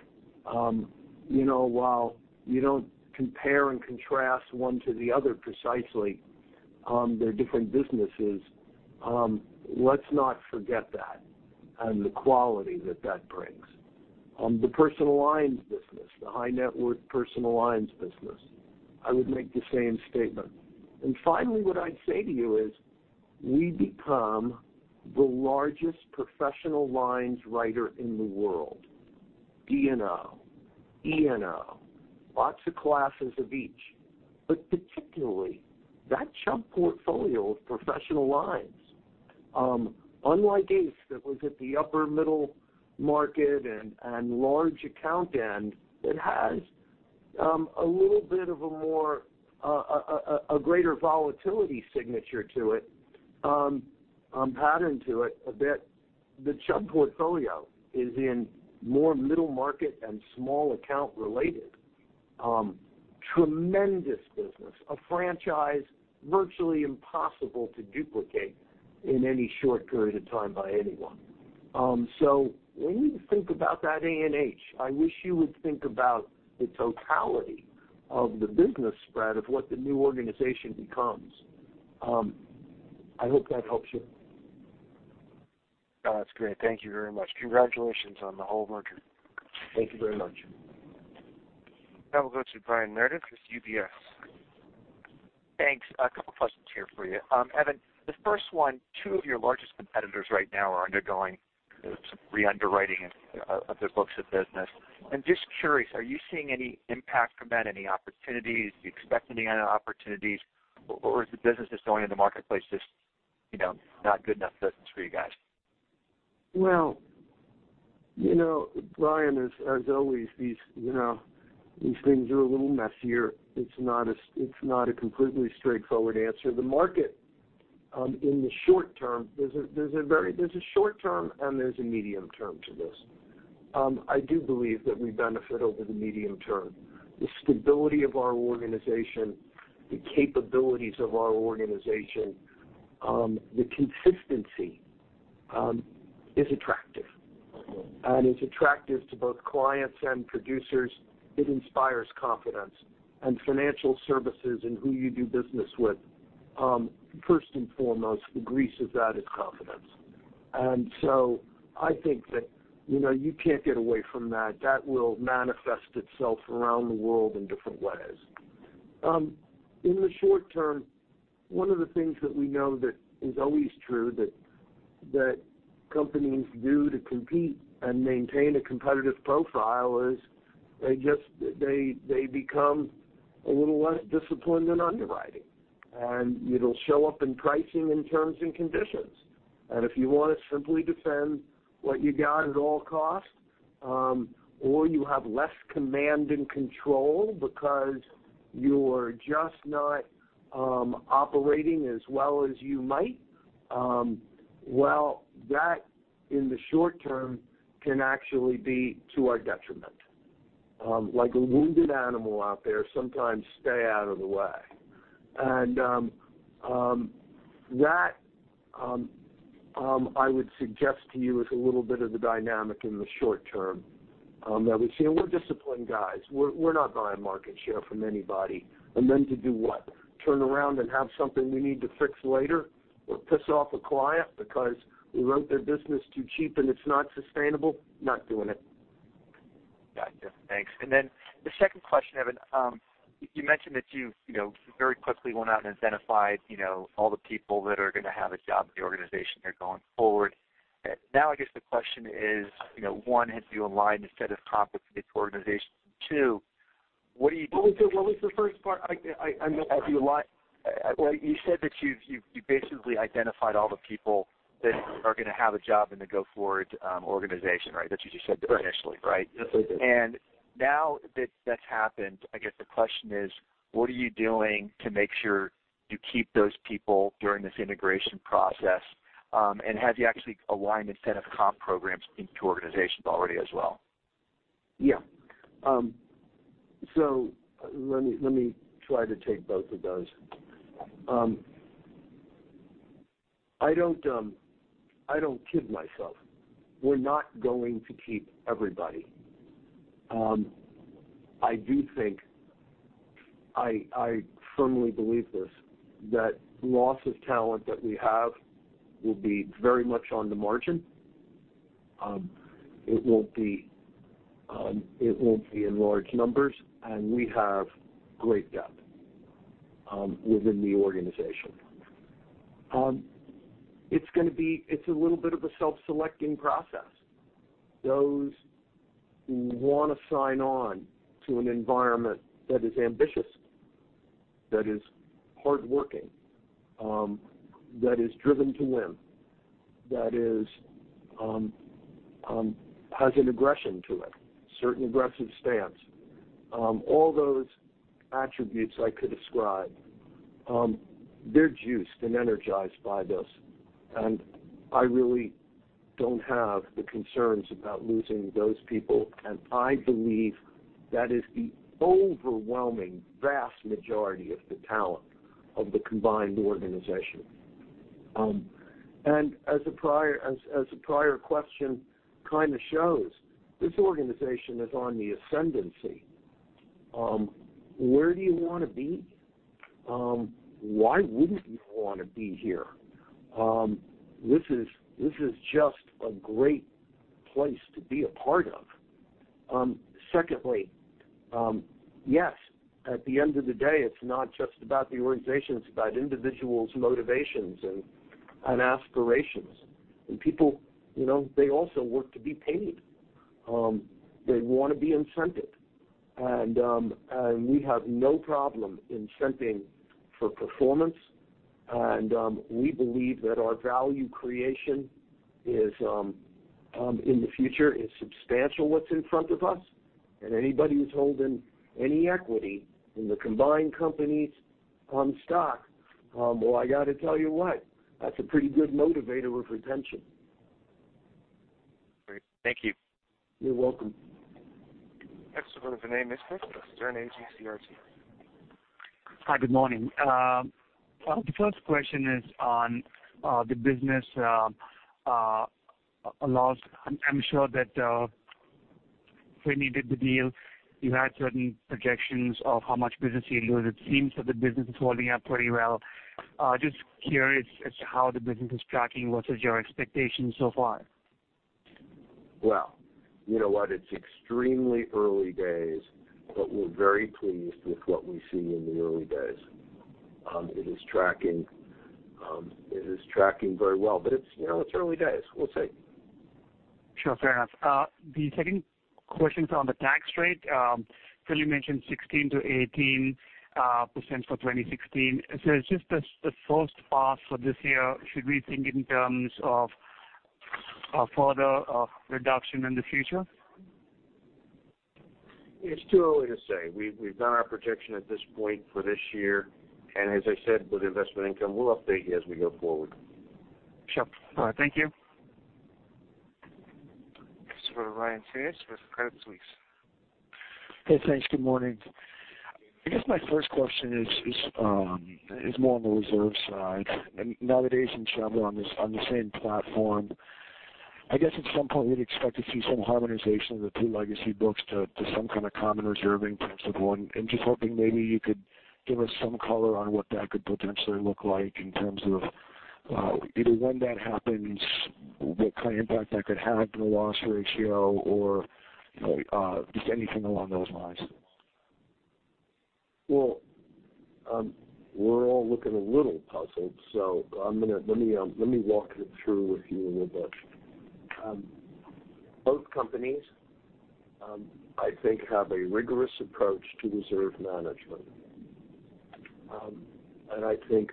while you don't compare and contrast one to the other precisely, they're different businesses. Let's not forget that and the quality that that brings. The personal lines business, the high net worth personal lines business, I would make the same statement. Finally, what I'd say to you is, we become the largest professional lines writer in the world, D&O, E&O, lots of classes of each. Particularly, that Chubb portfolio of professional lines Unlike ACE, that was at the upper middle market and large account end, it has a little bit of a greater volatility signature to it, pattern to it, that the Chubb portfolio is in more middle market and small account related. Tremendous business. A franchise virtually impossible to duplicate in any short period of time by anyone. When you think about that A&H, I wish you would think about the totality of the business spread of what the new organization becomes. I hope that helps you. That's great. Thank you very much. Congratulations on the whole merger. Thank you very much. Now we'll go to Brian Meredith with UBS. Thanks. A couple questions here for you. Evan, the first one, two of your largest competitors right now are undergoing some re-underwriting of their books of business. I'm just curious, are you seeing any impact from that, any opportunities? Do you expect any opportunities, or is the business that's going in the marketplace just not good enough business for you guys? Well, Brian, as always, these things are a little messier. It's not a completely straightforward answer. The market, in the short term, there's a short term and there's a medium term to this. I do believe that we benefit over the medium term. The stability of our organization, the capabilities of our organization, the consistency is attractive, and it's attractive to both clients and producers. It inspires confidence in financial services and who you do business with. First and foremost, the grease of that is confidence. I think that you can't get away from that. That will manifest itself around the world in different ways. In the short term, one of the things that we know that is always true that companies do to compete and maintain a competitive profile is they become a little less disciplined in underwriting. It'll show up in pricing and terms and conditions. If you want to simply defend what you got at all costs, or you have less command and control because you're just not operating as well as you might, well, that, in the short term, can actually be to our detriment. Like a wounded animal out there, sometimes stay out of the way. That, I would suggest to you, is a little bit of the dynamic in the short term that we see, and we're disciplined guys. We're not buying market share from anybody. To do what? Turn around and have something we need to fix later or piss off a client because we wrote their business too cheap and it's not sustainable? Not doing it. Gotcha. Thanks. The second question, Evan, you mentioned that you very quickly went out and identified all the people that are going to have a job in the organization here going forward. Now, I guess the question is, one, have you aligned incentive comp with the organization? Two, what are you- What was the first part? I missed that. Well, you said that you've basically identified all the people that are going to have a job in the go-forward organization, that you just said initially, right? Yes, I did. Now that that's happened, I guess the question is, what are you doing to make sure you keep those people during this integration process? Have you actually aligned incentive comp programs into organizations already as well? Yeah. Let me try to take both of those. I don't kid myself. We're not going to keep everybody. I do think, I firmly believe this, that loss of talent that we have will be very much on the margin. It won't be in large numbers, and we have great depth within the organization. It's a little bit of a self-selecting process. Those who want to sign on to an environment that is ambitious, that is hardworking, that is driven to win, that has an aggression to it, certain aggressive stance. All those attributes I could describe, they're juiced and energized by this, and I really don't have the concerns about losing those people, and I believe that is the overwhelming vast majority of the talent of the combined organization. As the prior question kind of shows, this organization is on the ascendancy. Where do you want to be? Why wouldn't you want to be here? This is just a great place to be a part of. Secondly, yes, at the end of the day, it's not just about the organization, it's about individuals' motivations and aspirations. People, they also work to be paid. They want to be incented. We have no problem incenting for performance. We believe that our value creation in the future is substantial what's in front of us. Anybody who's holding any equity in the combined company's stock, well, I got to tell you what, that's a pretty good motivator of retention. Great. Thank you. You're welcome. Next we go to Vinay Misra with Sanford C. Bernstein. Hi. Good morning. The first question is on the business loss. I'm sure that when you did the deal, you had certain projections of how much business you lose. It seems that the business is holding up pretty well. Just curious as to how the business is tracking. What is your expectation so far? Well, you know what, it's extremely early days, but we're very pleased with what we see in the early days. It is tracking very well, but it's early days. We'll see. Sure. Fair enough. The second question's on the tax rate. Phil, you mentioned 16%-18% for 2016. Just as the first pass for this year. Should we think in terms of a further reduction in the future? It's too early to say. We've done our projection at this point for this year, and as I said, with investment income, we'll update you as we go forward. Sure. All right. Thank you. Next we go to Ryan Tunis with Credit Suisse. Hey, thanks. Good morning. I guess my first question is more on the reserve side. Nowadays in Chubb we're on the same platform. I guess at some point we'd expect to see some harmonization of the two legacy books to some kind of common reserve in terms of one. I'm just hoping maybe you could give us some color on what that could potentially look like in terms of either when that happens, what kind of impact that could have on the loss ratio or just anything along those lines. Well, we're all looking a little puzzled, let me walk it through with you a little bit. Both companies, I think, have a rigorous approach to reserve management. I think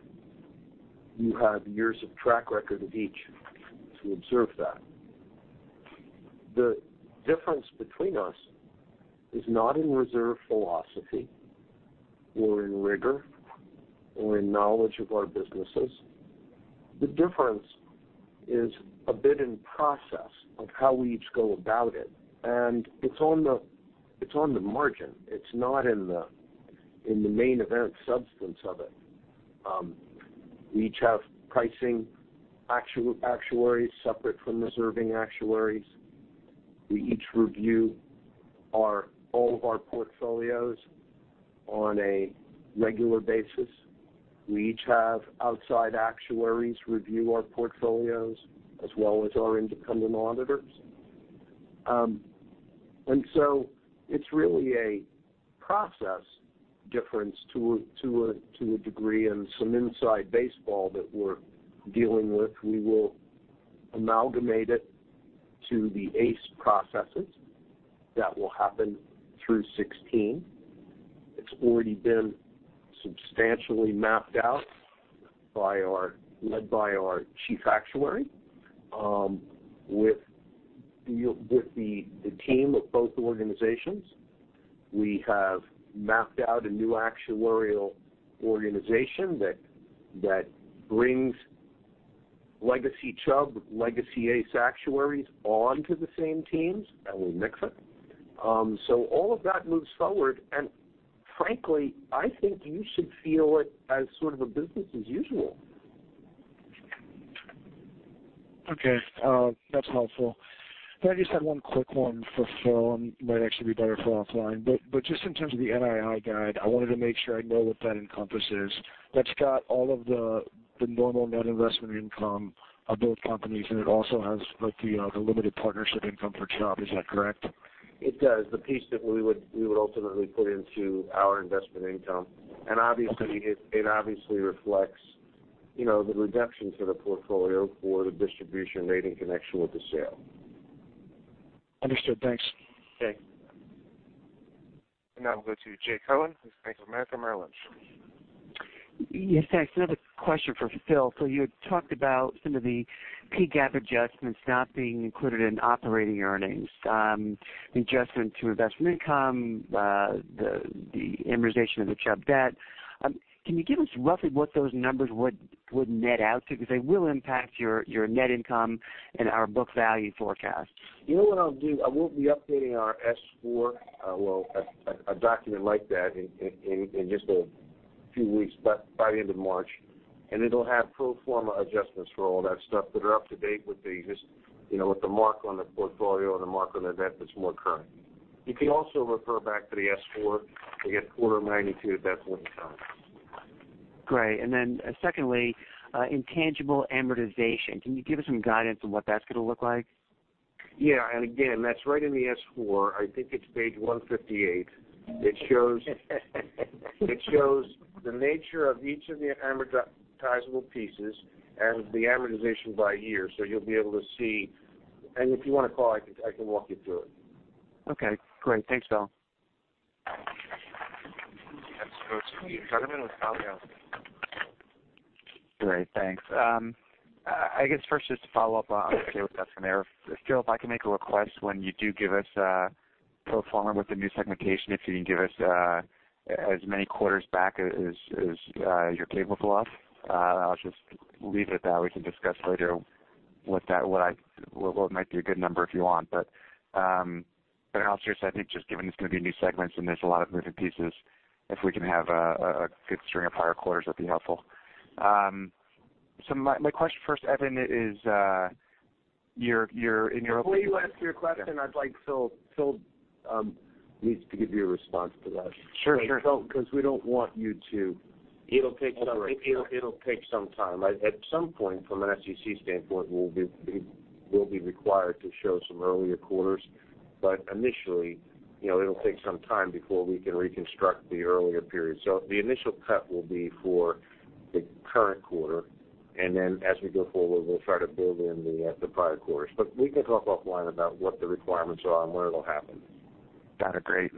you have years of track record of each to observe that. The difference between us is not in reserve philosophy or in rigor or in knowledge of our businesses. The difference is a bit in process of how we each go about it. It's on the margin. It's not in the main event substance of it. We each have pricing actuaries separate from reserving actuaries. We each review all of our portfolios on a regular basis. We each have outside actuaries review our portfolios as well as our independent auditors. It's really a process difference to a degree and some inside baseball that we're dealing with. We will amalgamate it to the ACE processes. That will happen through 2016. It's already been substantially mapped out led by our chief actuary with the team of both organizations. We have mapped out a new actuarial organization that brings legacy Chubb, legacy ACE actuaries onto the same teams, and we'll mix it. All of that moves forward, and frankly, I think you should feel it as sort of a business as usual. Okay. That's helpful. I just had one quick one for Phil. Might actually be better for offline, but just in terms of the NII guide, I wanted to make sure I know what that encompasses. That's got all of the normal net investment income of both companies, and it also has the limited partnership income for Chubb. Is that correct? It does. The piece that we would ultimately put into our investment income. Obviously, it reflects the reduction to the portfolio for the distribution rating connection with the sale. Understood. Thanks. Okay. Now we'll go to Jay Cohen with Bank of America Merrill Lynch. Yes, thanks. Another question for Phil. You had talked about some of the PGAAP adjustments not being included in operating earnings. The adjustment to investment income, the amortization of the Chubb debt. Can you give us roughly what those numbers would net out to? Because they will impact your net income and our book value forecast. You know what I'll do? I will be updating our S4, well, a document like that in just a few weeks, by the end of March. It'll have pro forma adjustments for all that stuff that are up to date with the mark on the portfolio or the mark on the debt that's more current. You can also refer back to the S4 to get order of magnitude. That's what it comes. Great. Then secondly, intangible amortization. Can you give us some guidance on what that's going to look like? Yeah. Again, that's right in the S4, I think it's page 158. It shows the nature of each of the amortizable pieces and the amortization by year. You'll be able to see. If you want to call, I can walk you through it. Okay, great. Thanks, Phil. Next we have the gentleman with. Great, thanks. I guess first, just to follow up, stay with that scenario. Phil, if I can make a request, when you do give us a pro forma with the new segmentation, if you can give us as many quarters back as your table goes. I'll just leave it at that. We can discuss later what might be a good number if you want. In all seriousness, I think just given it's going to be new segments and there's a lot of moving pieces, if we can have a good string of prior quarters, that'd be helpful. My question first, Evan, is your- Before you ask your question, I'd like Phil needs to give you a response to that. Sure. We don't want you to It'll take some time. It'll take some time. At some point, from an SEC standpoint, we'll be required to show some earlier quarters, but initially, it'll take some time before we can reconstruct the earlier period. The initial cut will be for the current quarter, and then as we go forward, we'll try to build in the prior quarters. We can talk offline about what the requirements are and when it'll happen. Got it. Great.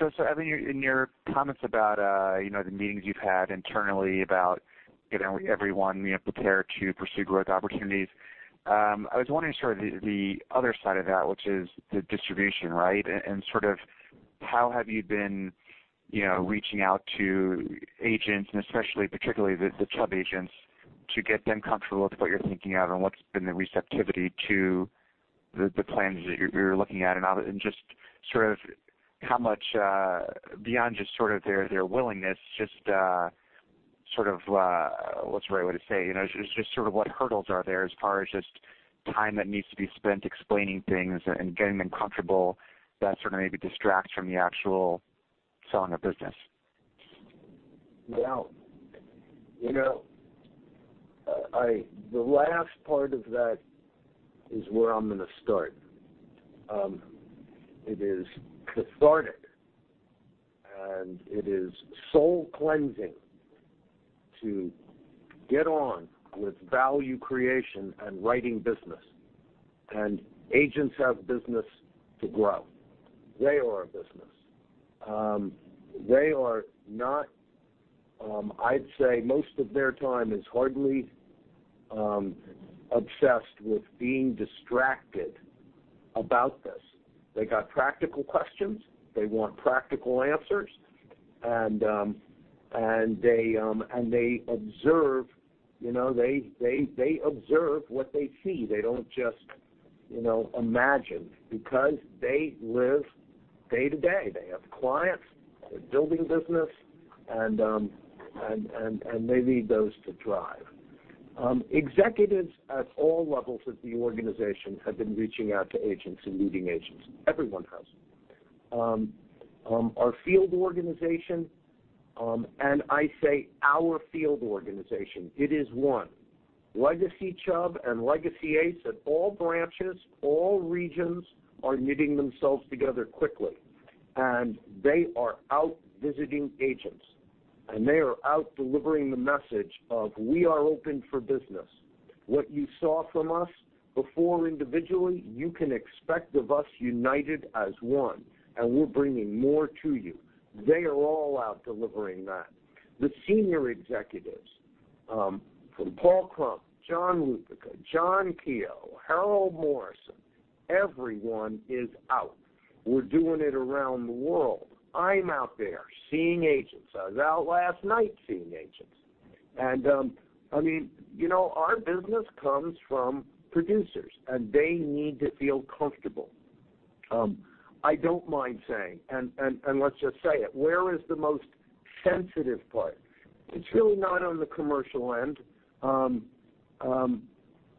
Evan, in your comments about the meetings you've had internally about getting everyone prepared to pursue growth opportunities, I was wondering sort of the other side of that, which is the distribution, right? Sort of how have you been reaching out to agents and especially particularly the Chubb agents, to get them comfortable with what you're thinking of and what's been the receptivity to the plans that you're looking at and just sort of how much beyond just sort of their willingness, just sort of, what's the right way to say, just sort of what hurdles are there as far as just time that needs to be spent explaining things and getting them comfortable that sort of maybe distracts from the actual selling of business? The last part of that is where I'm going to start. It is cathartic, and it is soul cleansing to get on with value creation and writing business. Agents have business to grow. They are a business. They are not, I'd say, most of their time is hardly obsessed with being distracted about this. They got practical questions. They want practical answers. They observe what they see. They don't just imagine, because they live day to day. They have clients. They're building business, and they need those to drive. Executives at all levels of the organization have been reaching out to agents and meeting agents. Everyone has. Our field organization, and I say our field organization, it is one. Legacy Chubb and legacy ACE at all branches, all regions are knitting themselves together quickly. They are out visiting agents, and they are out delivering the message of, "We are open for business. What you saw from us before individually, you can expect of us united as one, and we're bringing more to you." They are all out delivering that. The senior executives, from Paul Krump, John Lupica, John Keogh, Harold Morrison, everyone is out. We're doing it around the world. I'm out there seeing agents. I was out last night seeing agents. Our business comes from producers, and they need to feel comfortable. I don't mind saying, and let's just say it. Where is the most sensitive part? It's really not on the commercial end,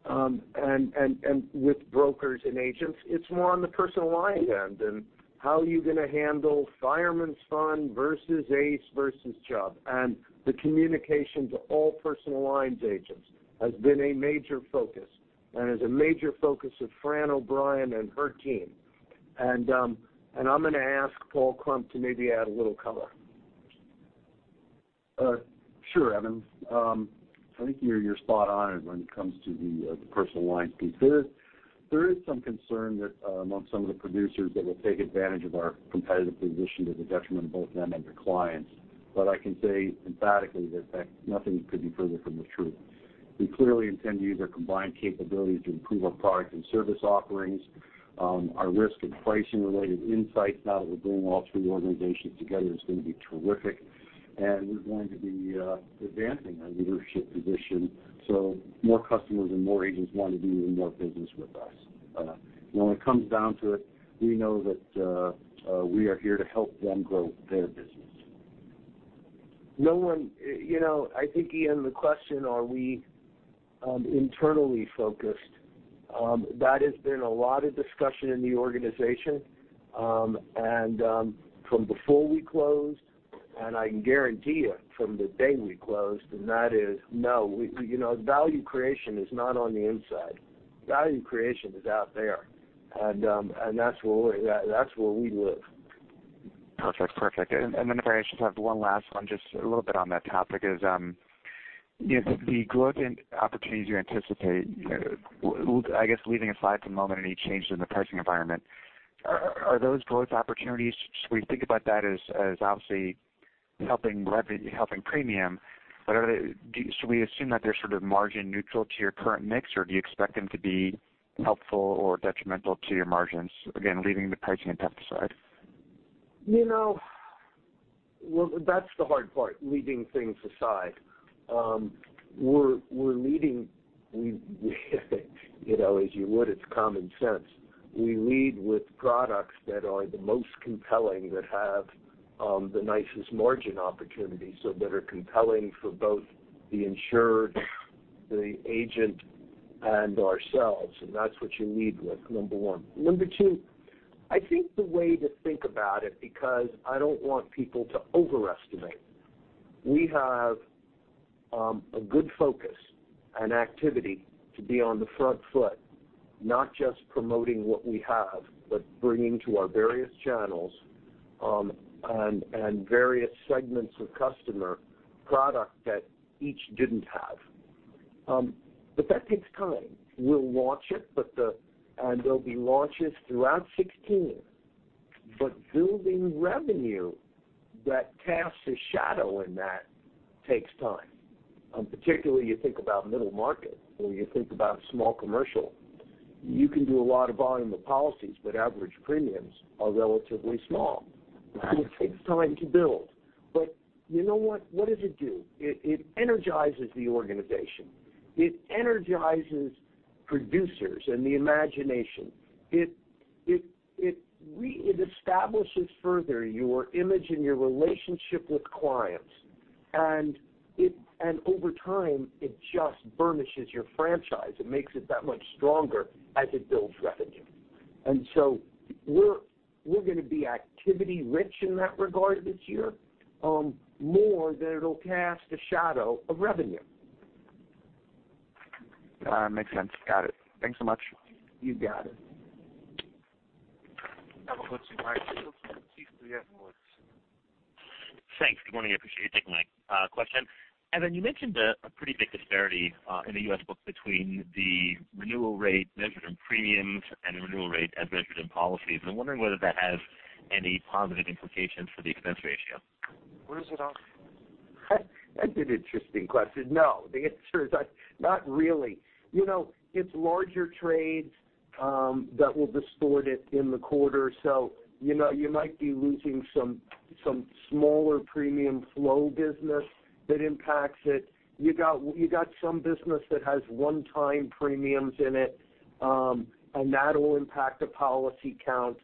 and with brokers and agents. It's more on the personal line end and how are you going to handle Fireman's Fund versus ACE versus Chubb and the communication to all personal lines agents has been a major focus and is a major focus of Fran O'Brien and her team. I'm going to ask Paul Krump to maybe add a little color. Sure, Evan. I think you're spot on when it comes to the personal lines piece. There is some concern that amongst some of the producers that will take advantage of our competitive position to the detriment of both them and their clients. I can say emphatically that nothing could be further from the truth. We clearly intend to use our combined capabilities to improve our product and service offerings. Our risk and pricing related insights now that we're bringing all three organizations together is going to be terrific, and we're going to be advancing our leadership position so more customers and more agents want to do even more business with us. When it comes down to it, we know that we are here to help them grow their business. I think, Ian, the question, are we internally focused? That has been a lot of discussion in the organization. From before we closed I can guarantee you from the day we closed, and that is no. Value creation is not on the inside. Value creation is out there, and that's where we live. Perfect. Then if I just have one last one, just a little bit on that topic is, the growth and opportunities you anticipate, I guess leaving aside for the moment any change in the pricing environment, are those growth opportunities, should we think about that as obviously helping premium? Should we assume that they're sort of margin neutral to your current mix or do you expect them to be helpful or detrimental to your margins, again, leaving the pricing impact aside? Well, that's the hard part, leaving things aside. We're leading, as you would, it's common sense. We lead with products that are the most compelling, that have the nicest margin opportunities, so that are compelling for both the insured, the agent, and ourselves. That's what you lead with, number 1. Number 2, I think the way to think about it, because I don't want people to overestimate. We have a good focus and activity to be on the front foot, not just promoting what we have, but bringing to our various channels, and various segments of customer product that each didn't have. That takes time. We'll launch it, and there'll be launches throughout 2016, but building revenue that casts a shadow in that takes time. Particularly you think about middle market or you think about small commercial, you can do a lot of volume of policies, but average premiums are relatively small. It takes time to build. You know what? What does it do? It energizes the organization. It energizes producers and the imagination. It establishes further your image and your relationship with clients. Over time, it just burnishes your franchise. It makes it that much stronger as it builds revenue. We're going to be activity rich in that regard this year, more than it'll cast a shadow of revenue. Makes sense. Got it. Thanks so much. You got it. Now we'll go to Meyer Shields with Keefe, Bruyette & Woods Thanks. Good morning. I appreciate you taking my question. Evan, you mentioned a pretty big disparity in the U.S. books between the renewal rate measured in premiums and the renewal rate as measured in policies. I'm wondering whether that has any positive implications for the expense ratio. Where is it off? That's an interesting question. The answer is not really. It's larger trades that will distort it in the quarter. You might be losing some smaller premium flow business that impacts it. You got some business that has one-time premiums in it, and that'll impact the policy count,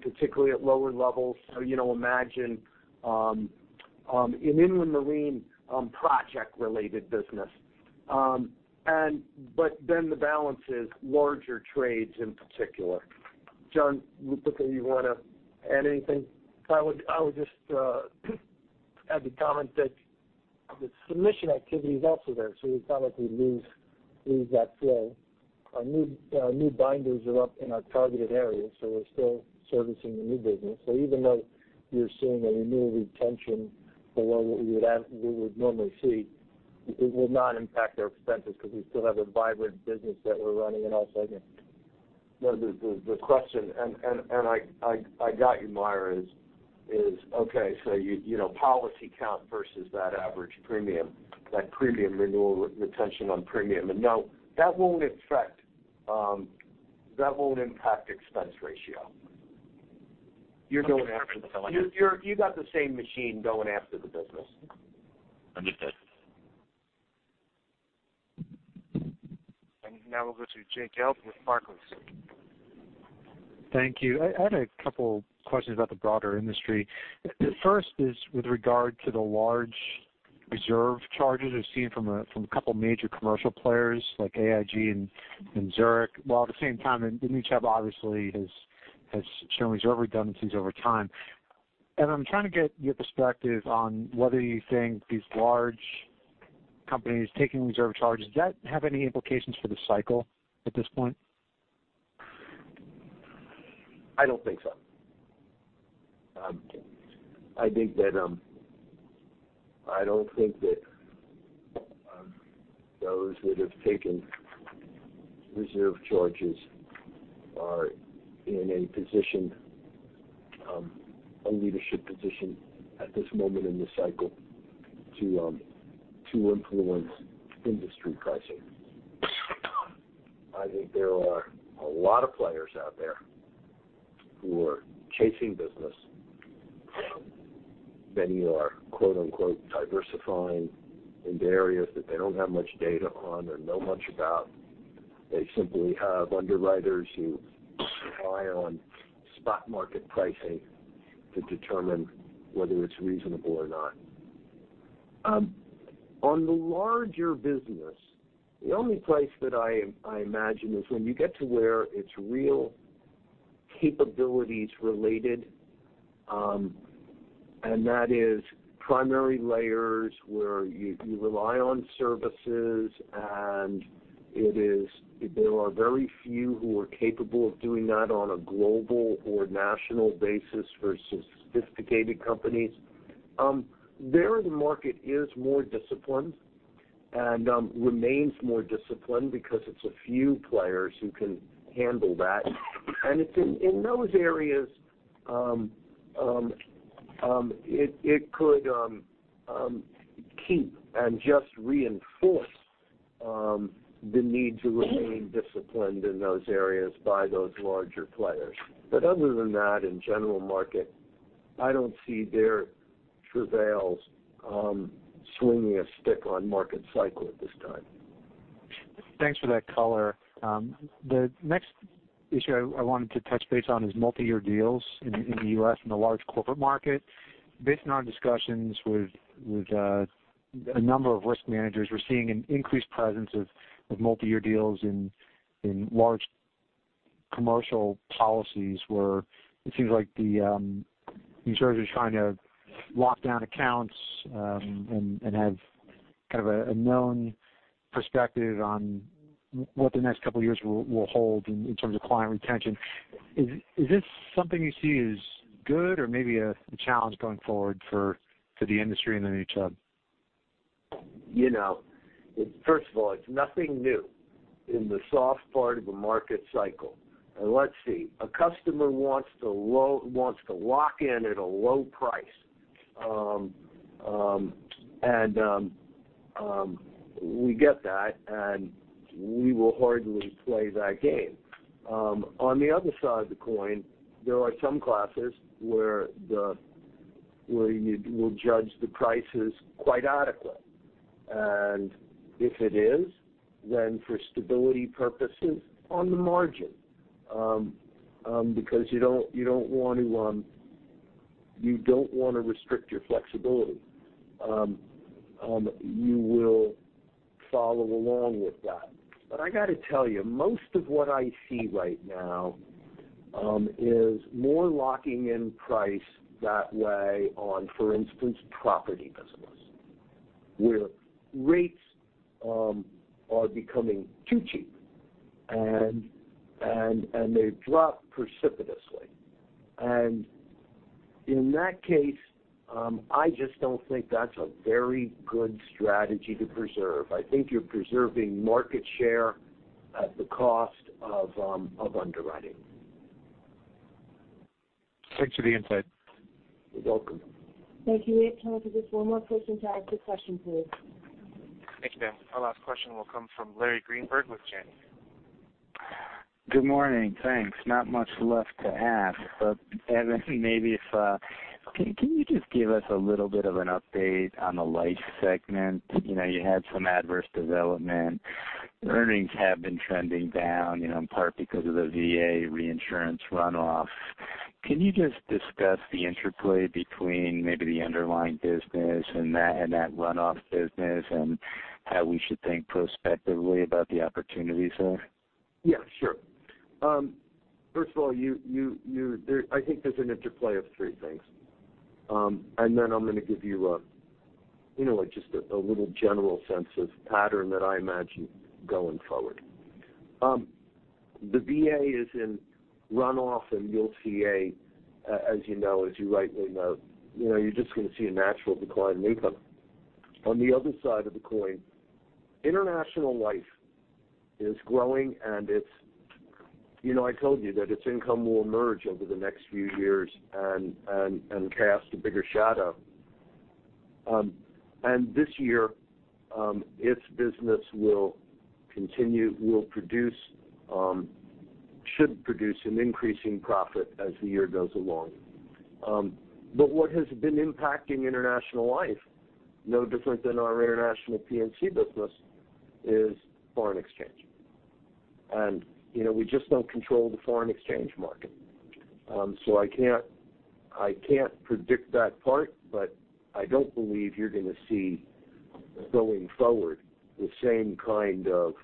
particularly at lower levels. Imagine, in inland marine project related business. The balance is larger trades in particular. John Lupica, you want to add anything? I would just add the comment that the submission activity is also there, we probably lose that flow. Our new binders are up in our targeted areas, we're still servicing the new business. Even though you're seeing a renewal retention below what we would normally see, it will not impact our expenses because we still have a vibrant business that we're running in all segments. No, the question, and I got you, Meyer, is okay, you know policy count versus that average premium, that premium renewal retention on premium. No, that won't affect, that won't impact expense ratio. Okay, perfect. You got the same machine going after the business. Understood. Now we'll go to Jay Gelb with Barclays. Thank you. I had a couple questions about the broader industry. The first is with regard to the large reserve charges we've seen from a couple major commercial players like AIG and Zurich, while at the same time, [inaudible] has shown reserve redundancies over time. I'm trying to get your perspective on whether you think these large companies taking reserve charges, does that have any implications for the cycle at this point? I don't think so. I don't think that those that have taken reserve charges are in a leadership position at this moment in the cycle to influence industry pricing. I think there are a lot of players out there who are chasing business. Many are "diversifying into areas that they don't have much data on or know much about." They simply have underwriters who rely on spot market pricing to determine whether it's reasonable or not. On the larger business, the only place that I imagine is when you get to where it's real capabilities related, and that is primary layers where you rely on services, and there are very few who are capable of doing that on a global or national basis for sophisticated companies. There, the market is more disciplined and remains more disciplined because it's a few players who can handle that. It's in those areas it could keep and just reinforce the need to remain disciplined in those areas by those larger players. Other than that, in general market, I don't see their travails swinging a stick on market cycle at this time. Thanks for that color. The next issue I wanted to touch base on is multi-year deals in the U.S. and the large corporate market. Based on our discussions with a number of risk managers, we're seeing an increased presence of multi-year deals in large commercial policies where it seems like the insurers are trying to lock down accounts and have kind of a known perspective on what the next couple of years will hold in terms of client retention. Is this something you see as good or maybe a challenge going forward for the industry and then Chubb? First of all, it's nothing new in the soft part of a market cycle. Let's see, a customer wants to lock in at a low price. We get that, and we will hardly play that game. On the other side of the coin, there are some classes where you will judge the price is quite adequate. If it is, then for stability purposes, on the margin, because you don't want to restrict your flexibility. You will follow along with that. I got to tell you, most of what I see right now is more locking in price that way on, for instance, property business, where rates are becoming too cheap and they've dropped precipitously. In that case, I just don't think that's a very good strategy to preserve. I think you're preserving market share at the cost of underwriting. Thanks for the insight. You're welcome. Thank you. We have time for just one more person to ask a question, please. Thank you, ma'am. Our last question will come from Larry Greenberg with Janney. Good morning. Thanks. Not much left to ask. Evan, maybe can you just give us a little bit of an update on the life segment? You had some adverse development. Earnings have been trending down, in part because of the VA reinsurance runoff. Can you just discuss the interplay between maybe the underlying business and that runoff business and how we should think prospectively about the opportunities there? Yeah, sure. First of all, I think there's an interplay of three things. Then I'm going to give you just a little general sense of pattern that I imagine going forward. The VA is in runoff, you'll see, as you rightly note, you're just going to see a natural decline in income. On the other side of the coin, international life is growing, I told you that its income will emerge over the next few years and cast a bigger shadow. This year, its business should produce an increasing profit as the year goes along. What has been impacting international life, no different than our international P&C business, is foreign exchange. We just don't control the foreign exchange market. I can't predict that part, I don't believe you're going to see, going forward, the same kind of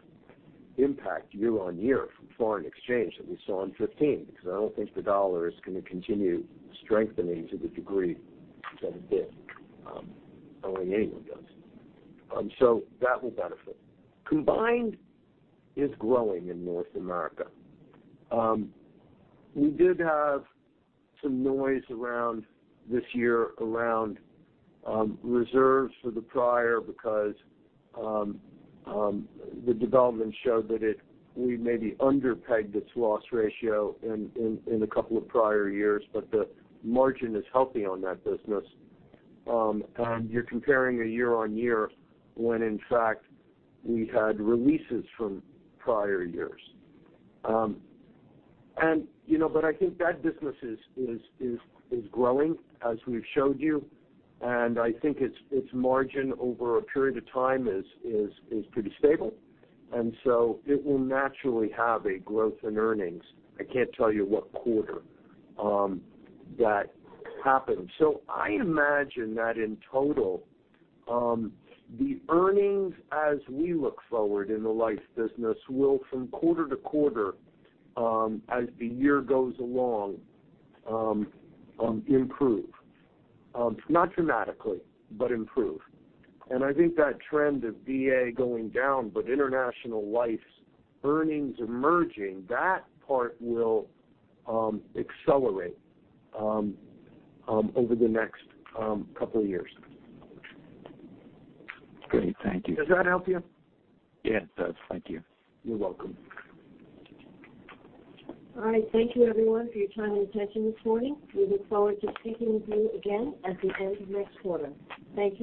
impact year on year from foreign exchange that we saw in 2015, I don't think the dollar is going to continue strengthening to the degree that it did. I don't think anyone does. That will benefit. Combined is growing in North America. We did have some noise this year around reserves for the prior because the development showed that we maybe underpegged its loss ratio in a couple of prior years, the margin is healthy on that business. You're comparing a year on year when, in fact, we've had releases from prior years. I think that business is growing, as we've showed you, I think its margin over a period of time is pretty stable, it will naturally have a growth in earnings. I can't tell you what quarter that happens. I imagine that in total, the earnings as we look forward in the life business will, from quarter to quarter, as the year goes along, improve. Not dramatically, but improve. I think that trend of VA going down but international life's earnings emerging, that part will accelerate over the next couple of years. Great. Thank you. Does that help you? Yeah, it does. Thank you. You're welcome. All right. Thank you everyone for your time and attention this morning. We look forward to speaking with you again at the end of next quarter. Thank you.